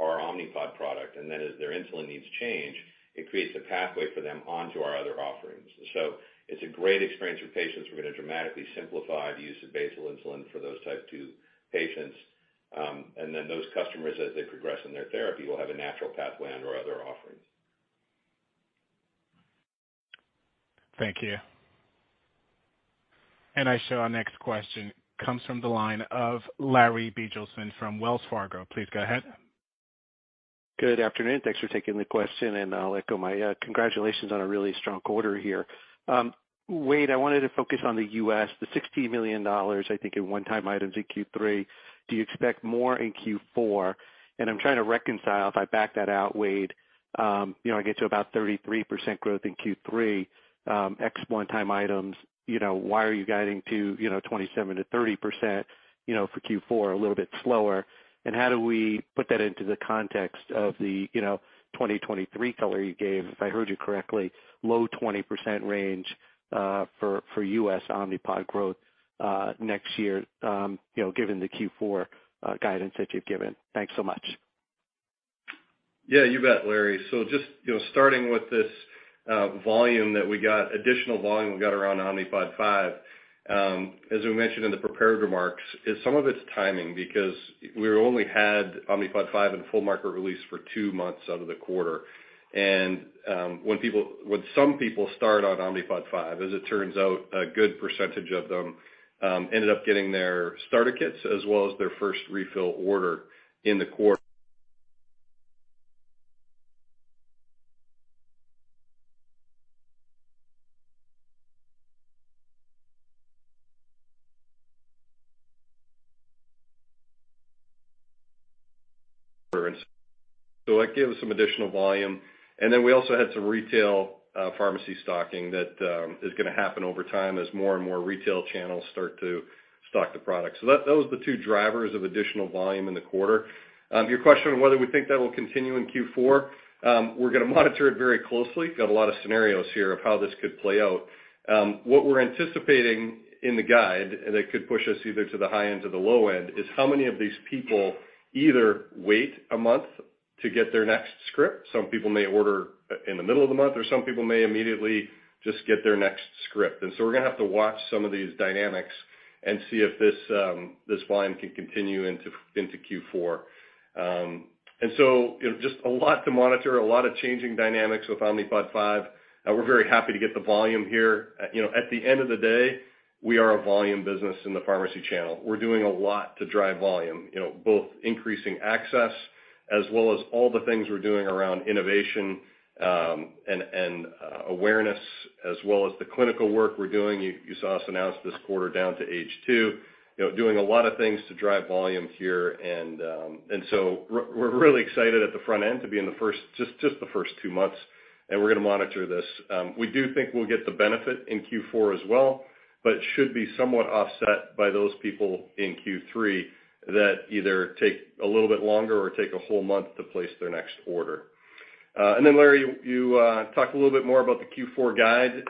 [SPEAKER 3] our Omnipod product, and then as their insulin needs change, it creates a pathway for them onto our other offerings. It's a great experience for patients. We're gonna dramatically simplify the use of basal insulin for those type 2 patients, and then those customers, as they progress in their therapy, will have a natural pathway on to our other offerings.
[SPEAKER 1] Thank you. I show our next question comes from the line of Larry Biegelsen from Wells Fargo. Please go ahead.
[SPEAKER 10] Good afternoon. Thanks for taking the question, and I'll echo my congratulations on a really strong quarter here. Wade, I wanted to focus on the U.S., the $60 million, I think, in one-time items in Q3. Do you expect more in Q4? I'm trying to reconcile if I back that out, Wade. You know, I get to about 33% growth in Q3, ex one-time items. You know, why are you guiding to, you know, 27%-30%, you know, for Q4 a little bit slower? How do we put that into the context of the, you know, 2023 color you gave, if I heard you correctly, low 20% range, for U.S. Omnipod growth, next year, you know, given the Q4 guidance that you've given? Thanks so much.
[SPEAKER 4] Yeah, you bet, Larry. Just, you know, starting with this volume that we got, additional volume we got around Omnipod 5, as we mentioned in the prepared remarks, is some of it's timing because we only had Omnipod 5 in full market release for two months out of the quarter. When some people start on Omnipod 5, as it turns out, a good percentage of them ended up getting their starter kits as well as their first refill order in the quarter. That gave us some additional volume, and then we also had some retail pharmacy stocking that is gonna happen over time as more and more retail channels start to stock the product. Those were the two drivers of additional volume in the quarter. Your question on whether we think that will continue in Q4, we're gonna monitor it very closely. Got a lot of scenarios here of how this could play out. What we're anticipating in the guide that could push us either to the high end or the low end is how many of these people either wait a month to get their next script. Some people may order in the middle of the month, or some people may immediately just get their next script. We're gonna have to watch some of these dynamics. See if this line can continue into Q4. You know, just a lot to monitor, a lot of changing dynamics with Omnipod 5. We're very happy to get the volume here. You know, at the end of the day, we are a volume business in the pharmacy channel. We're doing a lot to drive volume, you know, both increasing access as well as all the things we're doing around innovation, and awareness, as well as the clinical work we're doing. You saw us announce this quarter down to age 2, you know, doing a lot of things to drive volume here. We're really excited at the front end to be in the first two months, and we're gonna monitor this. We do think we'll get the benefit in Q4 as well, but should be somewhat offset by those people in Q3 that either take a little bit longer or take a whole month to place their next order. Larry, you talked a little bit more about the Q4 guide.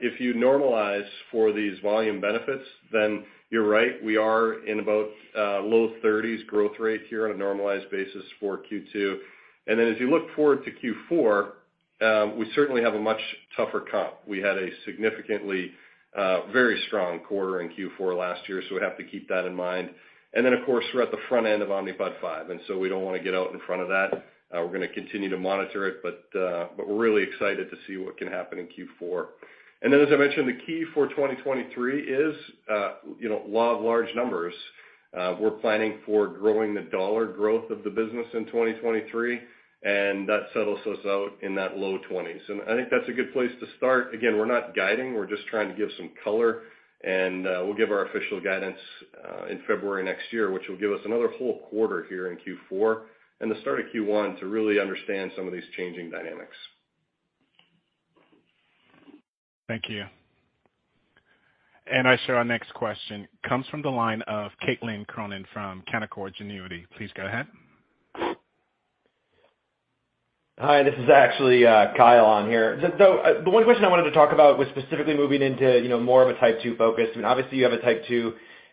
[SPEAKER 4] If you normalize for these volume benefits, then you're right, we are in about low 30s% growth rate here on a normalized basis for Q2. As you look forward to Q4, we certainly have a much tougher comp. We had a significantly very strong quarter in Q4 last year, so we have to keep that in mind. Of course, we're at the front end of Omnipod 5, and so we don't want to get out in front of that. We're gonna continue to monitor it, but we're really excited to see what can happen in Q4. As I mentioned, the key for 2023 is, you know, lot of large numbers. We're planning for growing the dollar growth of the business in 2023, and that settles us out in that low 20s%. I think that's a good place to start. Again, we're not guiding, we're just trying to give some color, and we'll give our official guidance in February next year, which will give us another whole quarter here in Q4 and the start of Q1 to really understand some of these changing dynamics.
[SPEAKER 1] Thank you. I show our next question comes from the line of Caitlin Cronin from Canaccord Genuity. Please go ahead.
[SPEAKER 11] Hi, this is actually, Kyle on here. The one question I wanted to talk about was specifically moving into, you know, more of a type 2 focus. I mean, obviously you have a type 2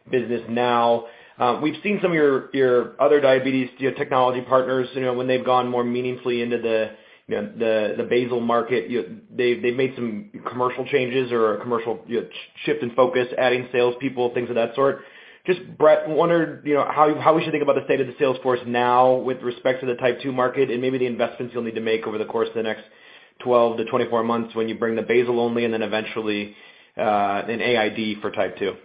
[SPEAKER 11] business now. We've seen some of your other diabetes glucose technology partners, you know, when they've gone more meaningfully into the basal market. They've made some commercial changes or, you know, shift in focus, adding sales people, things of that sort. Just Bret wondered, you know, how we should think about the state of the sales force now with respect to the type 2 market and maybe the investments you'll need to make over the course of the next 12 to 24 months when you bring the Basal-Only and then eventually, an AID for type 2.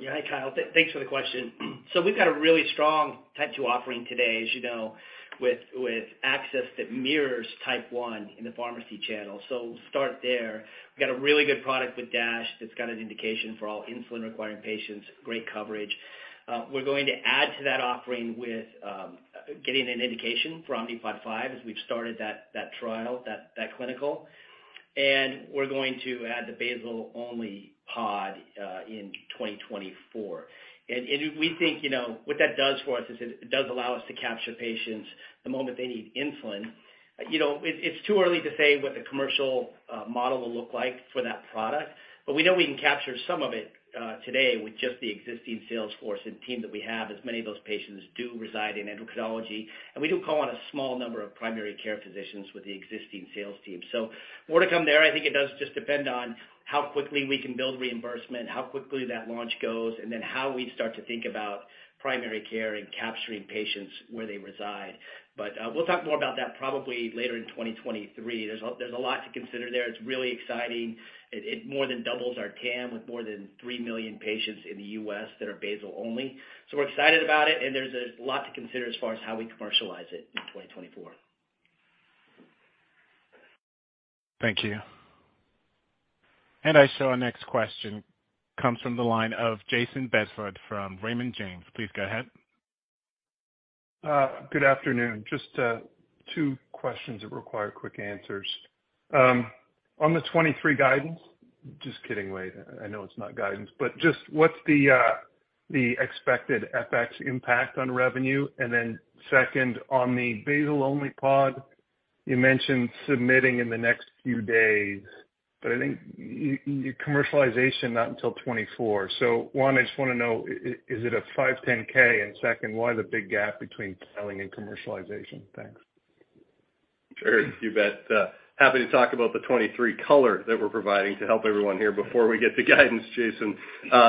[SPEAKER 7] Yeah. Hi, Kyle. Thanks for the question. We've got a really strong type 2 offering today, as you know, with access that mirrors type 1 in the pharmacy channel. We'll start there. We've got a really good product with DASH that's got an indication for all insulin requiring patients, great coverage. We're going to add to that offering with getting an indication for Omnipod 5 as we've started that clinical trial. We're going to add the Basal-Only Pod in 2024. We think, you know, what that does for us is it does allow us to capture patients the moment they need insulin. You know, it's too early to say what the commercial model will look like for that product, but we know we can capture some of it today with just the existing sales force and team that we have, as many of those patients do reside in endocrinology. We do call on a small number of primary care physicians with the existing sales team. More to come there. I think it does just depend on how quickly we can build reimbursement, how quickly that launch goes, and then how we start to think about primary care and capturing patients where they reside. We'll talk more about that probably later in 2023. There's a lot to consider there. It's really exciting. It more than doubles our TAM with more than 3 million patients in the U.S. that are Basal-Only. We're excited about it and there's a lot to consider as far as how we commercialize it in 2024.
[SPEAKER 1] Thank you. I show our next question comes from the line of Jayson Bedford from Raymond James. Please go ahead.
[SPEAKER 12] Good afternoon. Just two questions that require quick answers. On the 2023 guidance, just kidding, Wayde. I know it's not guidance. Just what's the expected FX impact on revenue? And then second, on the Basal-Only Pod, you mentioned submitting in the next few days, but I think your commercialization not until 2024. So one, I just wanna know is it a 510(k)? And second, why the big gap between selling and commercialization? Thanks.
[SPEAKER 4] Sure. You bet. Happy to talk about the 2023 color that we're providing to help everyone here before we get to guidance, Jayson.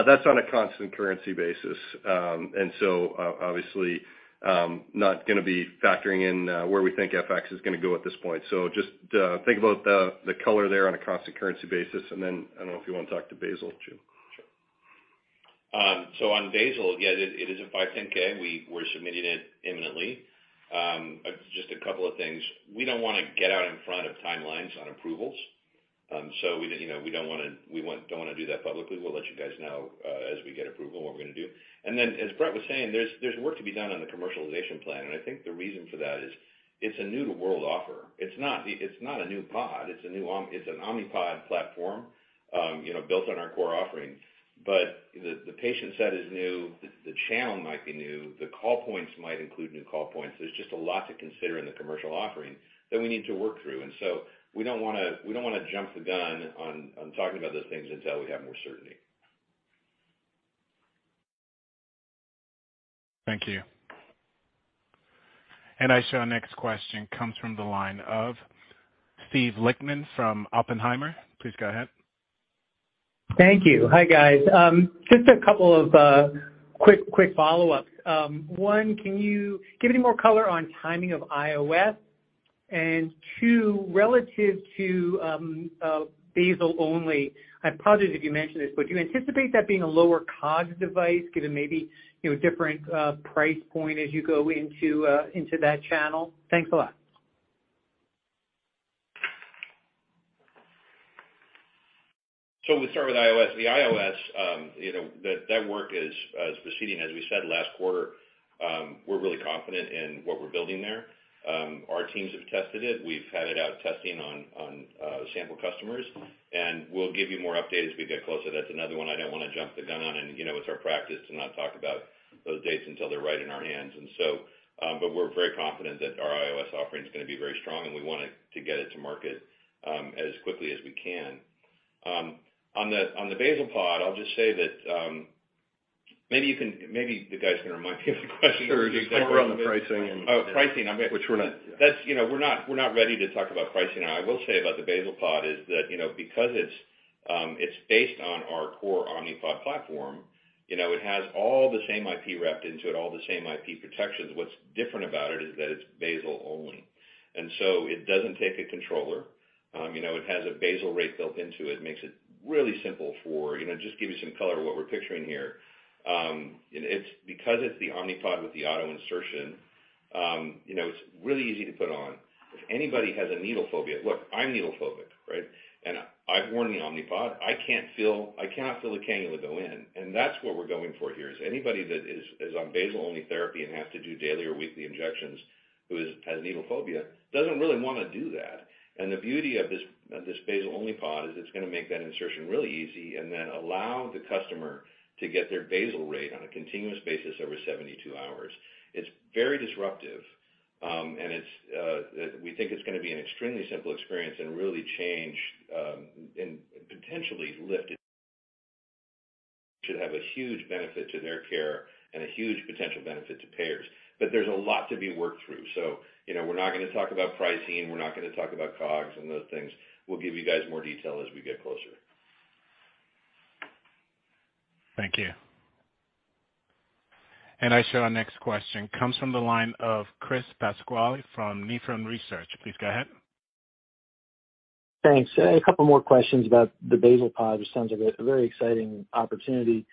[SPEAKER 4] That's on a constant currency basis. Obviously, not gonna be factoring in where we think FX is gonna go at this point. Just think about the color there on a constant currency basis. I don't know if you wanna talk to basal, Jim?
[SPEAKER 3] Sure. So on basal, yeah, it is a 510(k). We're submitting it imminently. Just a couple of things. We don't wanna get out in front of timelines on approvals. We, you know, don't wanna do that publicly. We'll let you guys know as we get approval what we're gonna do. As Bret was saying, there's work to be done on the commercialization plan. I think the reason for that is it's a new to world offer. It's not a new pod. It's an Omnipod platform, you know, built on our core offering. But the patient set is new, the channel might be new, the call points might include new call points. There's just a lot to consider in the commercial offering that we need to work through. We don't wanna jump the gun on talking about those things until we have more certainty.
[SPEAKER 1] Thank you. I show our next question comes from the line of Steven Lichtman from Oppenheimer. Please go ahead.
[SPEAKER 13] Thank you. Hi, guys. Just a couple of quick follow-ups. One, can you give any more color on timing of iOS? And two, relative to Basal-Only, I apologize if you mentioned this, but do you anticipate that being a lower COGS device given maybe, you know, a different price point as you go into that channel? Thanks a lot.
[SPEAKER 3] We start with iOS. The iOS, you know, that work is proceeding. As we said last quarter, we're really confident in what we're building there. Our teams have tested it. We've had it out testing on sample customers, and we'll give you more updates as we get closer. That's another one I don't wanna jump the gun on. You know, it's our practice to not talk about those dates until they're right in our hands. We're very confident that our iOS offering is gonna be very strong and we wanted to get it to market as quickly as we can. On the basal pod, I'll just say that, maybe you guys can remind me of the question.
[SPEAKER 13] Sure. Just cover on the pricing and.
[SPEAKER 3] Oh, pricing. That's, you know, we're not ready to talk about pricing. I will say about the basal pod is that, you know, because it's based on our core Omnipod platform, you know, it has all the same IP wrapped into it, all the same IP protections. What's different about it is that it's Basal-Only. It doesn't take a controller. You know, it has a basal rate built into it, makes it really simple for, you know, just give you some color what we're picturing here. It's because it's the Omnipod with the auto insertion, you know, it's really easy to put on. If anybody has a needle phobia. Look, I'm needle phobic, right? I've worn the Omnipod. I cannot feel the cannula go in, and that's what we're going for here is anybody that is on Basal-Only therapy and has to do daily or weekly injections who has needle phobia, doesn't really wanna do that. The beauty of this Basal-Only Pod is it's gonna make that insertion really easy and then allow the customer to get their basal rate on a continuous basis over 72 hours. It's very disruptive, and it's we think it's gonna be an extremely simple experience and really change and potentially lift it. It should have a huge benefit to their care and a huge potential benefit to payers. There's a lot to be worked through. You know, we're not gonna talk about pricing. We're not gonna talk about COGS and those things. We'll give you guys more detail as we get closer.
[SPEAKER 1] Thank you. I show our next question comes from the line of Chris Pasquale from Nephron Research. Please go ahead.
[SPEAKER 14] Thanks. A couple more questions about the basal pod, which sounds like a very exciting opportunity.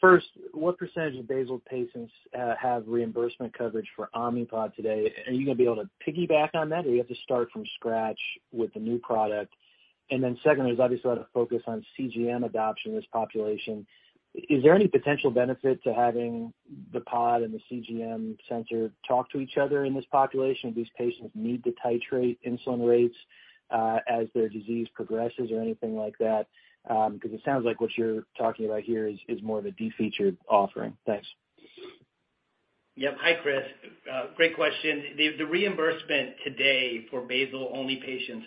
[SPEAKER 14] First, what percentage of basal patients have reimbursement coverage for Omnipod today? Are you gonna be able to piggyback on that, or do you have to start from scratch with the new product? And then secondly, there's obviously a lot of focus on CGM adoption in this population. Is there any potential benefit to having the pod and the CGM sensor talk to each other in this population? Do these patients need to titrate insulin rates as their disease progresses or anything like that? Because it sounds like what you're talking about here is more of a de-featured offering. Thanks.
[SPEAKER 7] Yep. Hi, Chris. Great question. The reimbursement today for Basal-Only patients,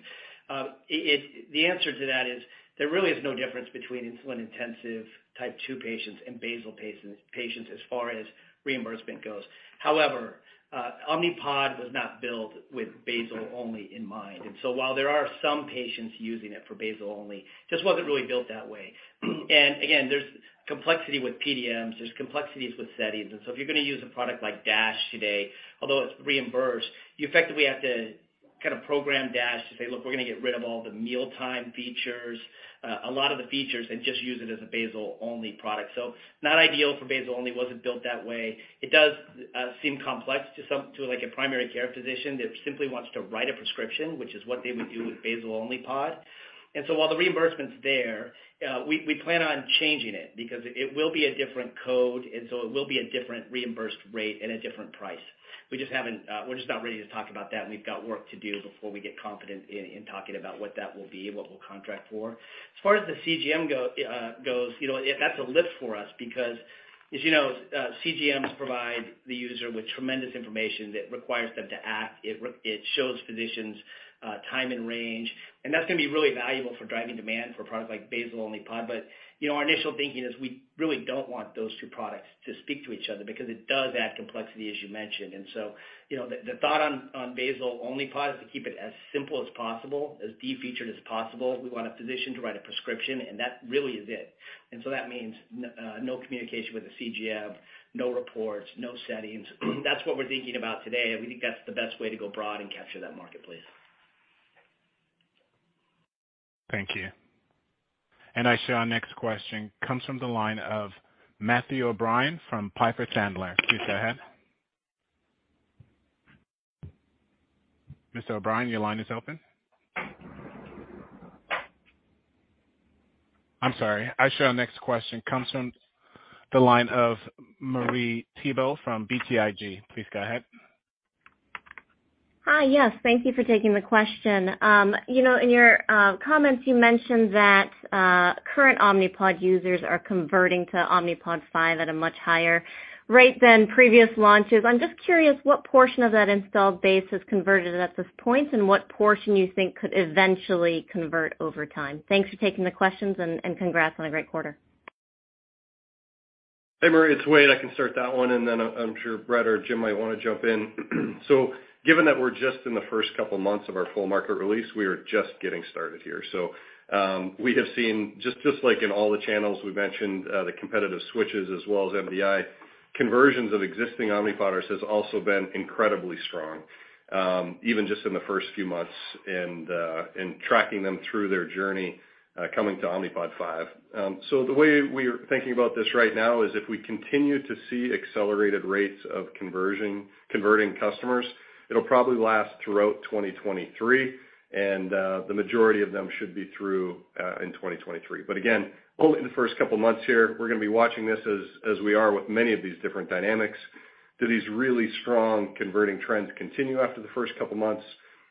[SPEAKER 7] the answer to that is there really is no difference between insulin-intensive type 2 patients and basal patients as far as reimbursement goes. However, Omnipod was not built with Basal-Only in mind. While there are some patients using it for Basal-Only, just wasn't really built that way. Again, there's complexity with PDMs, there's complexities with settings. If you're gonna use a product like DASH today, although it's reimbursed, you effectively have to kind of program DASH to say, "Look, we're gonna get rid of all the mealtime features, a lot of the features, and just use it as a Basal-Only product." Not ideal for Basal-Only. Wasn't built that way. It does seem complex to some, like, a primary care physician that simply wants to write a prescription, which is what they would do with Basal-Only Pod. While the reimbursement's there, we plan on changing it because it will be a different code, and so it will be a different reimbursed rate and a different price. We just haven't, we're just not ready to talk about that, and we've got work to do before we get confident in talking about what that will be and what we'll contract for. As far as the CGM goes, you know, that's a lift for us because, as you know, CGMs provide the user with tremendous information that requires them to act. It shows physicians time and range, and that's gonna be really valuable for driving demand for a product like Basal-Only Pod. You know, our initial thinking is we really don't want those two products to speak to each other because it does add complexity, as you mentioned. You know, the thought on Basal-Only Pod is to keep it as simple as possible, as de-featured as possible. We want a physician to write a prescription, and that really is it. That means no communication with the CGM, no reports, no settings. That's what we're thinking about today, and we think that's the best way to go broad and capture that marketplace.
[SPEAKER 1] Thank you. I show our next question comes from the line of Matthew O'Brien from Piper Sandler. Please go ahead. Mr. O'Brien, your line is open. I'm sorry. I show our next question comes from the line of Marie Thibault from BTIG. Please go ahead.
[SPEAKER 15] Hi. Yes, thank you for taking the question. You know, in your comments, you mentioned that current Omnipod users are converting to Omnipod 5 at a much higher rate than previous launches. I'm just curious what portion of that installed base has converted at this point and what portion you think could eventually convert over time. Thanks for taking the questions and congrats on a great quarter.
[SPEAKER 4] Hey, Marie, it's Wayde. I can start that one, and then I'm sure Bret or Jim might wanna jump in. Given that we're just in the first couple months of our full market release, we are just getting started here. We have seen just like in all the channels we've mentioned, the competitive switches as well as MDI conversions of existing Omnipodders has also been incredibly strong, even just in the first few months and, in tracking them through their journey, coming to Omnipod 5. The way we are thinking about this right now is if we continue to see accelerated rates of conversion, converting customers, it'll probably last throughout 2023, and, the majority of them should be through in 2023.
[SPEAKER 3] Again, only in the first couple of months here, we're gonna be watching this as we are with many of these different dynamics. Do these really strong converting trends continue after the first couple of months,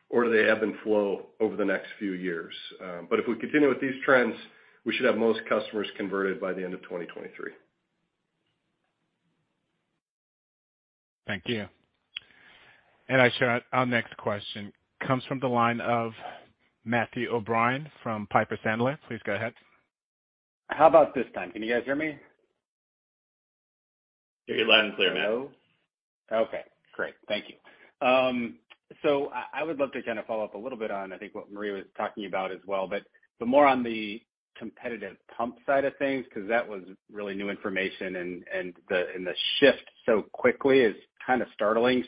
[SPEAKER 3] or do they ebb and flow over the next few years? If we continue with these trends, we should have most customers converted by the end of 2023.
[SPEAKER 1] Thank you. I show our next question comes from the line of Matthew O'Brien from Piper Sandler. Please go ahead.
[SPEAKER 16] How about this time? Can you guys hear me?
[SPEAKER 3] You're loud and clear, Matt.
[SPEAKER 16] No. Okay, great. Thank you. I would love to kinda follow up a little bit on, I think what Maria was talking about as well. More on the competitive pump side of things, 'cause that was really new information and the shift so quickly is kind of startling.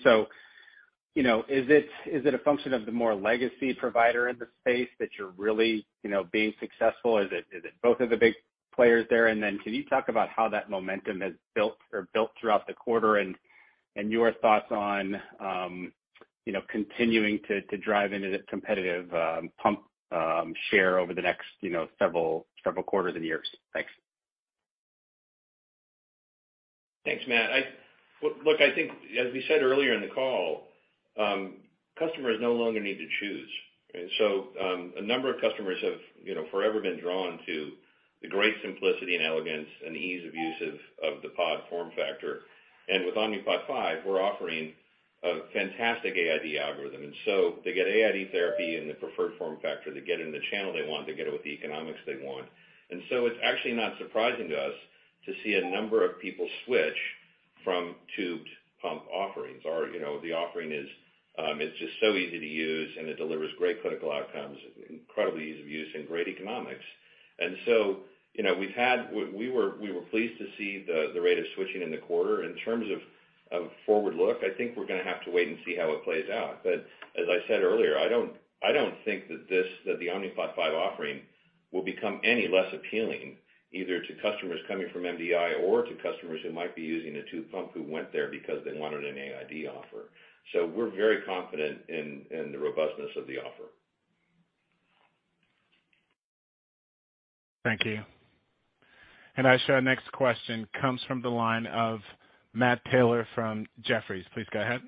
[SPEAKER 16] You know, is it a function of the more legacy provider in the space that you're really, you know, being successful? Is it both of the big players there? Can you talk about how that momentum has built throughout the quarter and your thoughts on, you know, continuing to drive into the competitive pump share over the next, you know, several quarters and years? Thanks.
[SPEAKER 3] Thanks, Matt. Look, I think as we said earlier in the call, customers no longer need to choose. A number of customers have, you know, forever been drawn to the great simplicity and elegance and ease of use of the Pod form factor. With Omnipod 5, we're offering a fantastic AID algorithm. They get AID therapy in the preferred form factor, they get it in the channel they want, they get it with the economics they want. It's actually not surprising to us to see a number of people switch from tubed pump offerings. Our offering is just so easy to use, and it delivers great clinical outcomes, incredible ease of use and great economics. You know, we were pleased to see the rate of switching in the quarter. In terms of forward look, I think we're gonna have to wait and see how it plays out. As I said earlier, I don't think that the Omnipod 5 offering will become any less appealing either to customers coming from MDI or to customers who might be using a tube pump who went there because they wanted an AID offer. We're very confident in the robustness of the offer.
[SPEAKER 1] Thank you. I show our next question comes from the line of Matt Taylor from Jefferies. Please go ahead.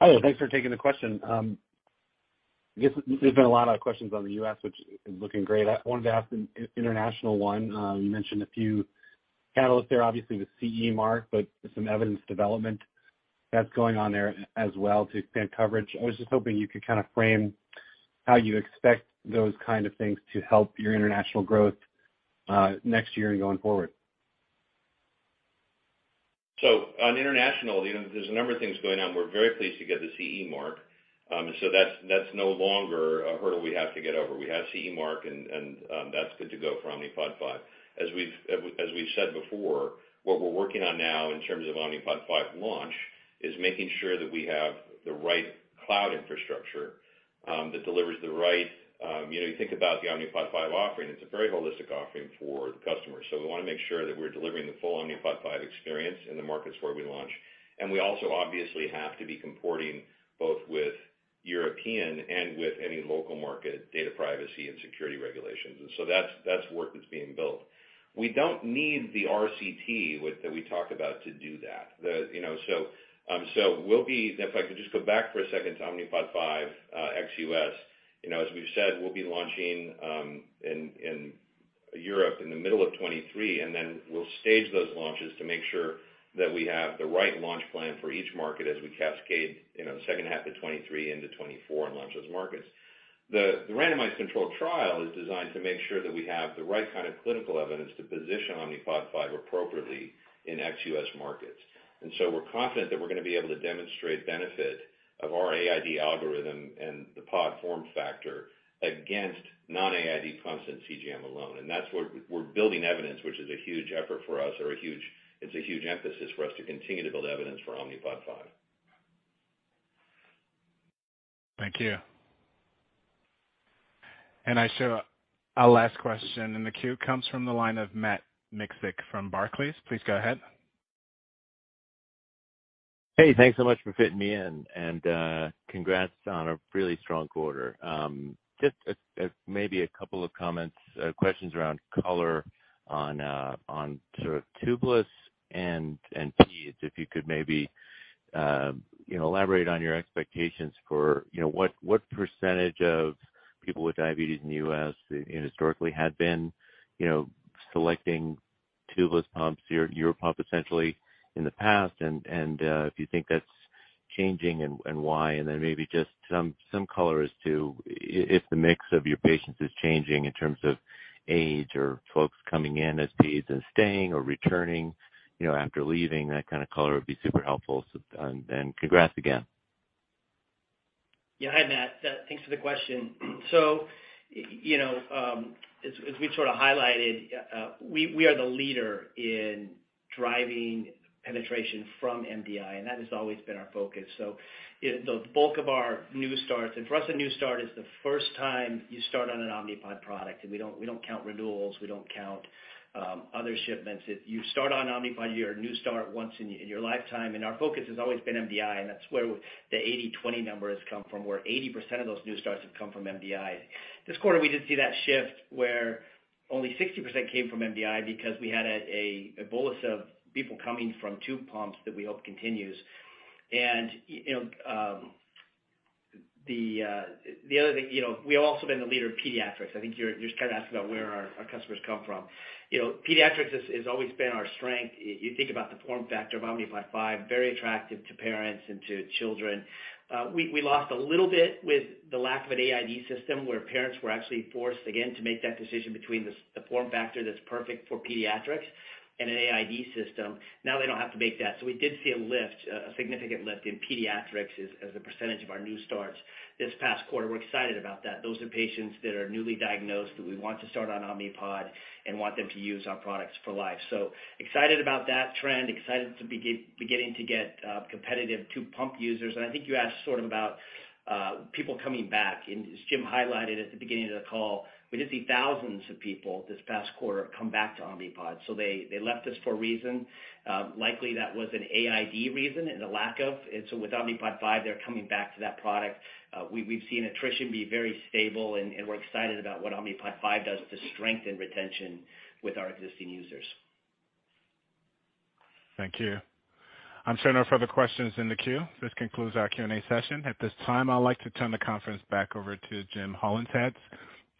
[SPEAKER 17] Hello, thanks for taking the question. I guess there's been a lot of questions on the U.S. which is looking great. I wanted to ask an international one. You mentioned a few catalysts there, obviously the CE mark, but some evidence development that's going on there as well to expand coverage. I was just hoping you could kinda frame how you expect those kind of things to help your international growth, next year and going forward.
[SPEAKER 3] On international, you know, there's a number of things going on. We're very pleased to get the CE mark. That's no longer a hurdle we have to get over. We have CE mark and that's good to go for Omnipod 5. As we've said before, what we're working on now in terms of Omnipod 5 launch is making sure that we have the right cloud infrastructure that delivers the right, you know, you think about the Omnipod 5 offering, it's a very holistic offering for the customer. We wanna make sure that we're delivering the full Omnipod 5 experience in the markets where we launch. We also obviously have to be comporting both with European and with any local market data privacy and security regulations. That's work that's being built. We don't need the RCT that we talked about to do that. You know, we'll be launching in Europe in the middle of 2023, and then we'll stage those launches to make sure that we have the right launch plan for each market as we cascade the second half of 2023 into 2024 and launch those markets. If I could just go back for a second to Omnipod 5, ex-U.S., you know, as we've said. The randomized controlled trial is designed to make sure that we have the right kind of clinical evidence to position Omnipod 5 appropriately in ex-U.S. markets. We're confident that we're gonna be able to demonstrate benefit of our AID algorithm and the Pod form factor against non-AID continuous CGM alone. That's where we're building evidence, which is a huge effort for us. It's a huge emphasis for us to continue to build evidence for Omnipod 5.
[SPEAKER 1] Thank you. I show our last question in the queue comes from the line of Matt Miksic from Barclays. Please go ahead.
[SPEAKER 18] Hey, thanks so much for fitting me in, and congrats on a really strong quarter. Just a couple of comments, questions around color on sort of tubeless and peds. If you could maybe, you know, elaborate on your expectations for, you know, what percentage of people with diabetes in the U.S., you know, historically had been, you know, selecting tubeless pumps, your pump essentially in the past, and if you think that's changing, and why? Maybe just some color as to if the mix of your patients is changing in terms of age or folks coming in as peds and staying or returning, you know, after leaving. That kind of color would be super helpful. Congrats again.
[SPEAKER 7] Yeah. Hi, Matt. Thanks for the question. You know, as we sort of highlighted, we are the leader in driving penetration from MDI, and that has always been our focus. If the bulk of our new starts, and for us, a new start is the first time you start on an Omnipod product, and we don't count renewals, we don't count other shipments. If you start on Omnipod, you're a new start once in your lifetime. Our focus has always been MDI, and that's where the 80/20 number has come from, where 80% of those new starts have come from MDIs. This quarter, we did see that shift where only 60% came from MDI because we had a bolus of people coming from two pumps that we hope continues. You know, the other thing, you know, we've also been the leader in pediatrics. I think you're trying to ask about where our customers come from. You know, pediatrics has always been our strength. You think about the form factor of Omnipod 5, very attractive to parents and to children. We lost a little bit with the lack of an AID system where parents were actually forced again to make that decision between this, the form factor that's perfect for pediatrics and an AID system. Now they don't have to make that. We did see a lift, a significant lift in pediatrics as a percentage of our new starts this past quarter. We're excited about that. Those are patients that are newly diagnosed that we want to start on Omnipod and want them to use our products for life. Excited about that trend. Excited to be beginning to get competitive to pump users. I think you asked sort of about people coming back. As Jim highlighted at the beginning of the call, we did see thousands of people this past quarter come back to Omnipod. They left us for a reason, likely that was an AID reason and the lack of. With Omnipod 5, they're coming back to that product. We've seen attrition be very stable and we're excited about what Omnipod 5 does to strengthen retention with our existing users.
[SPEAKER 1] Thank you. I'm showing no further questions in the queue. This concludes our Q&A session. At this time, I'd like to turn the conference back over to Jim Hollingshead,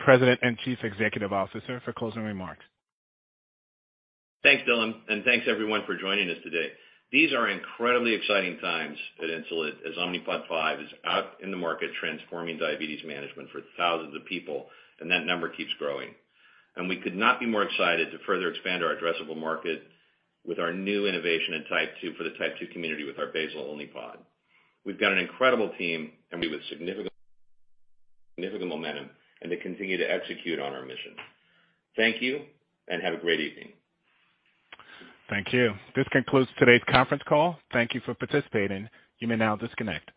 [SPEAKER 1] President and Chief Executive Officer, for closing remarks.
[SPEAKER 3] Thanks, Dylan, and thanks everyone for joining us today. These are incredibly exciting times at Insulet as Omnipod 5 is out in the market transforming diabetes management for thousands of people, and that number keeps growing. We could not be more excited to further expand our addressable market with our new innovation in type 2 for the type 2 community with our Basal Omnipod. We've got an incredible team and we have a significant momentum, and to continue to execute on our mission. Thank you and have a great evening.
[SPEAKER 1] Thank you. This concludes today's conference call. Thank you for participating. You may now disconnect.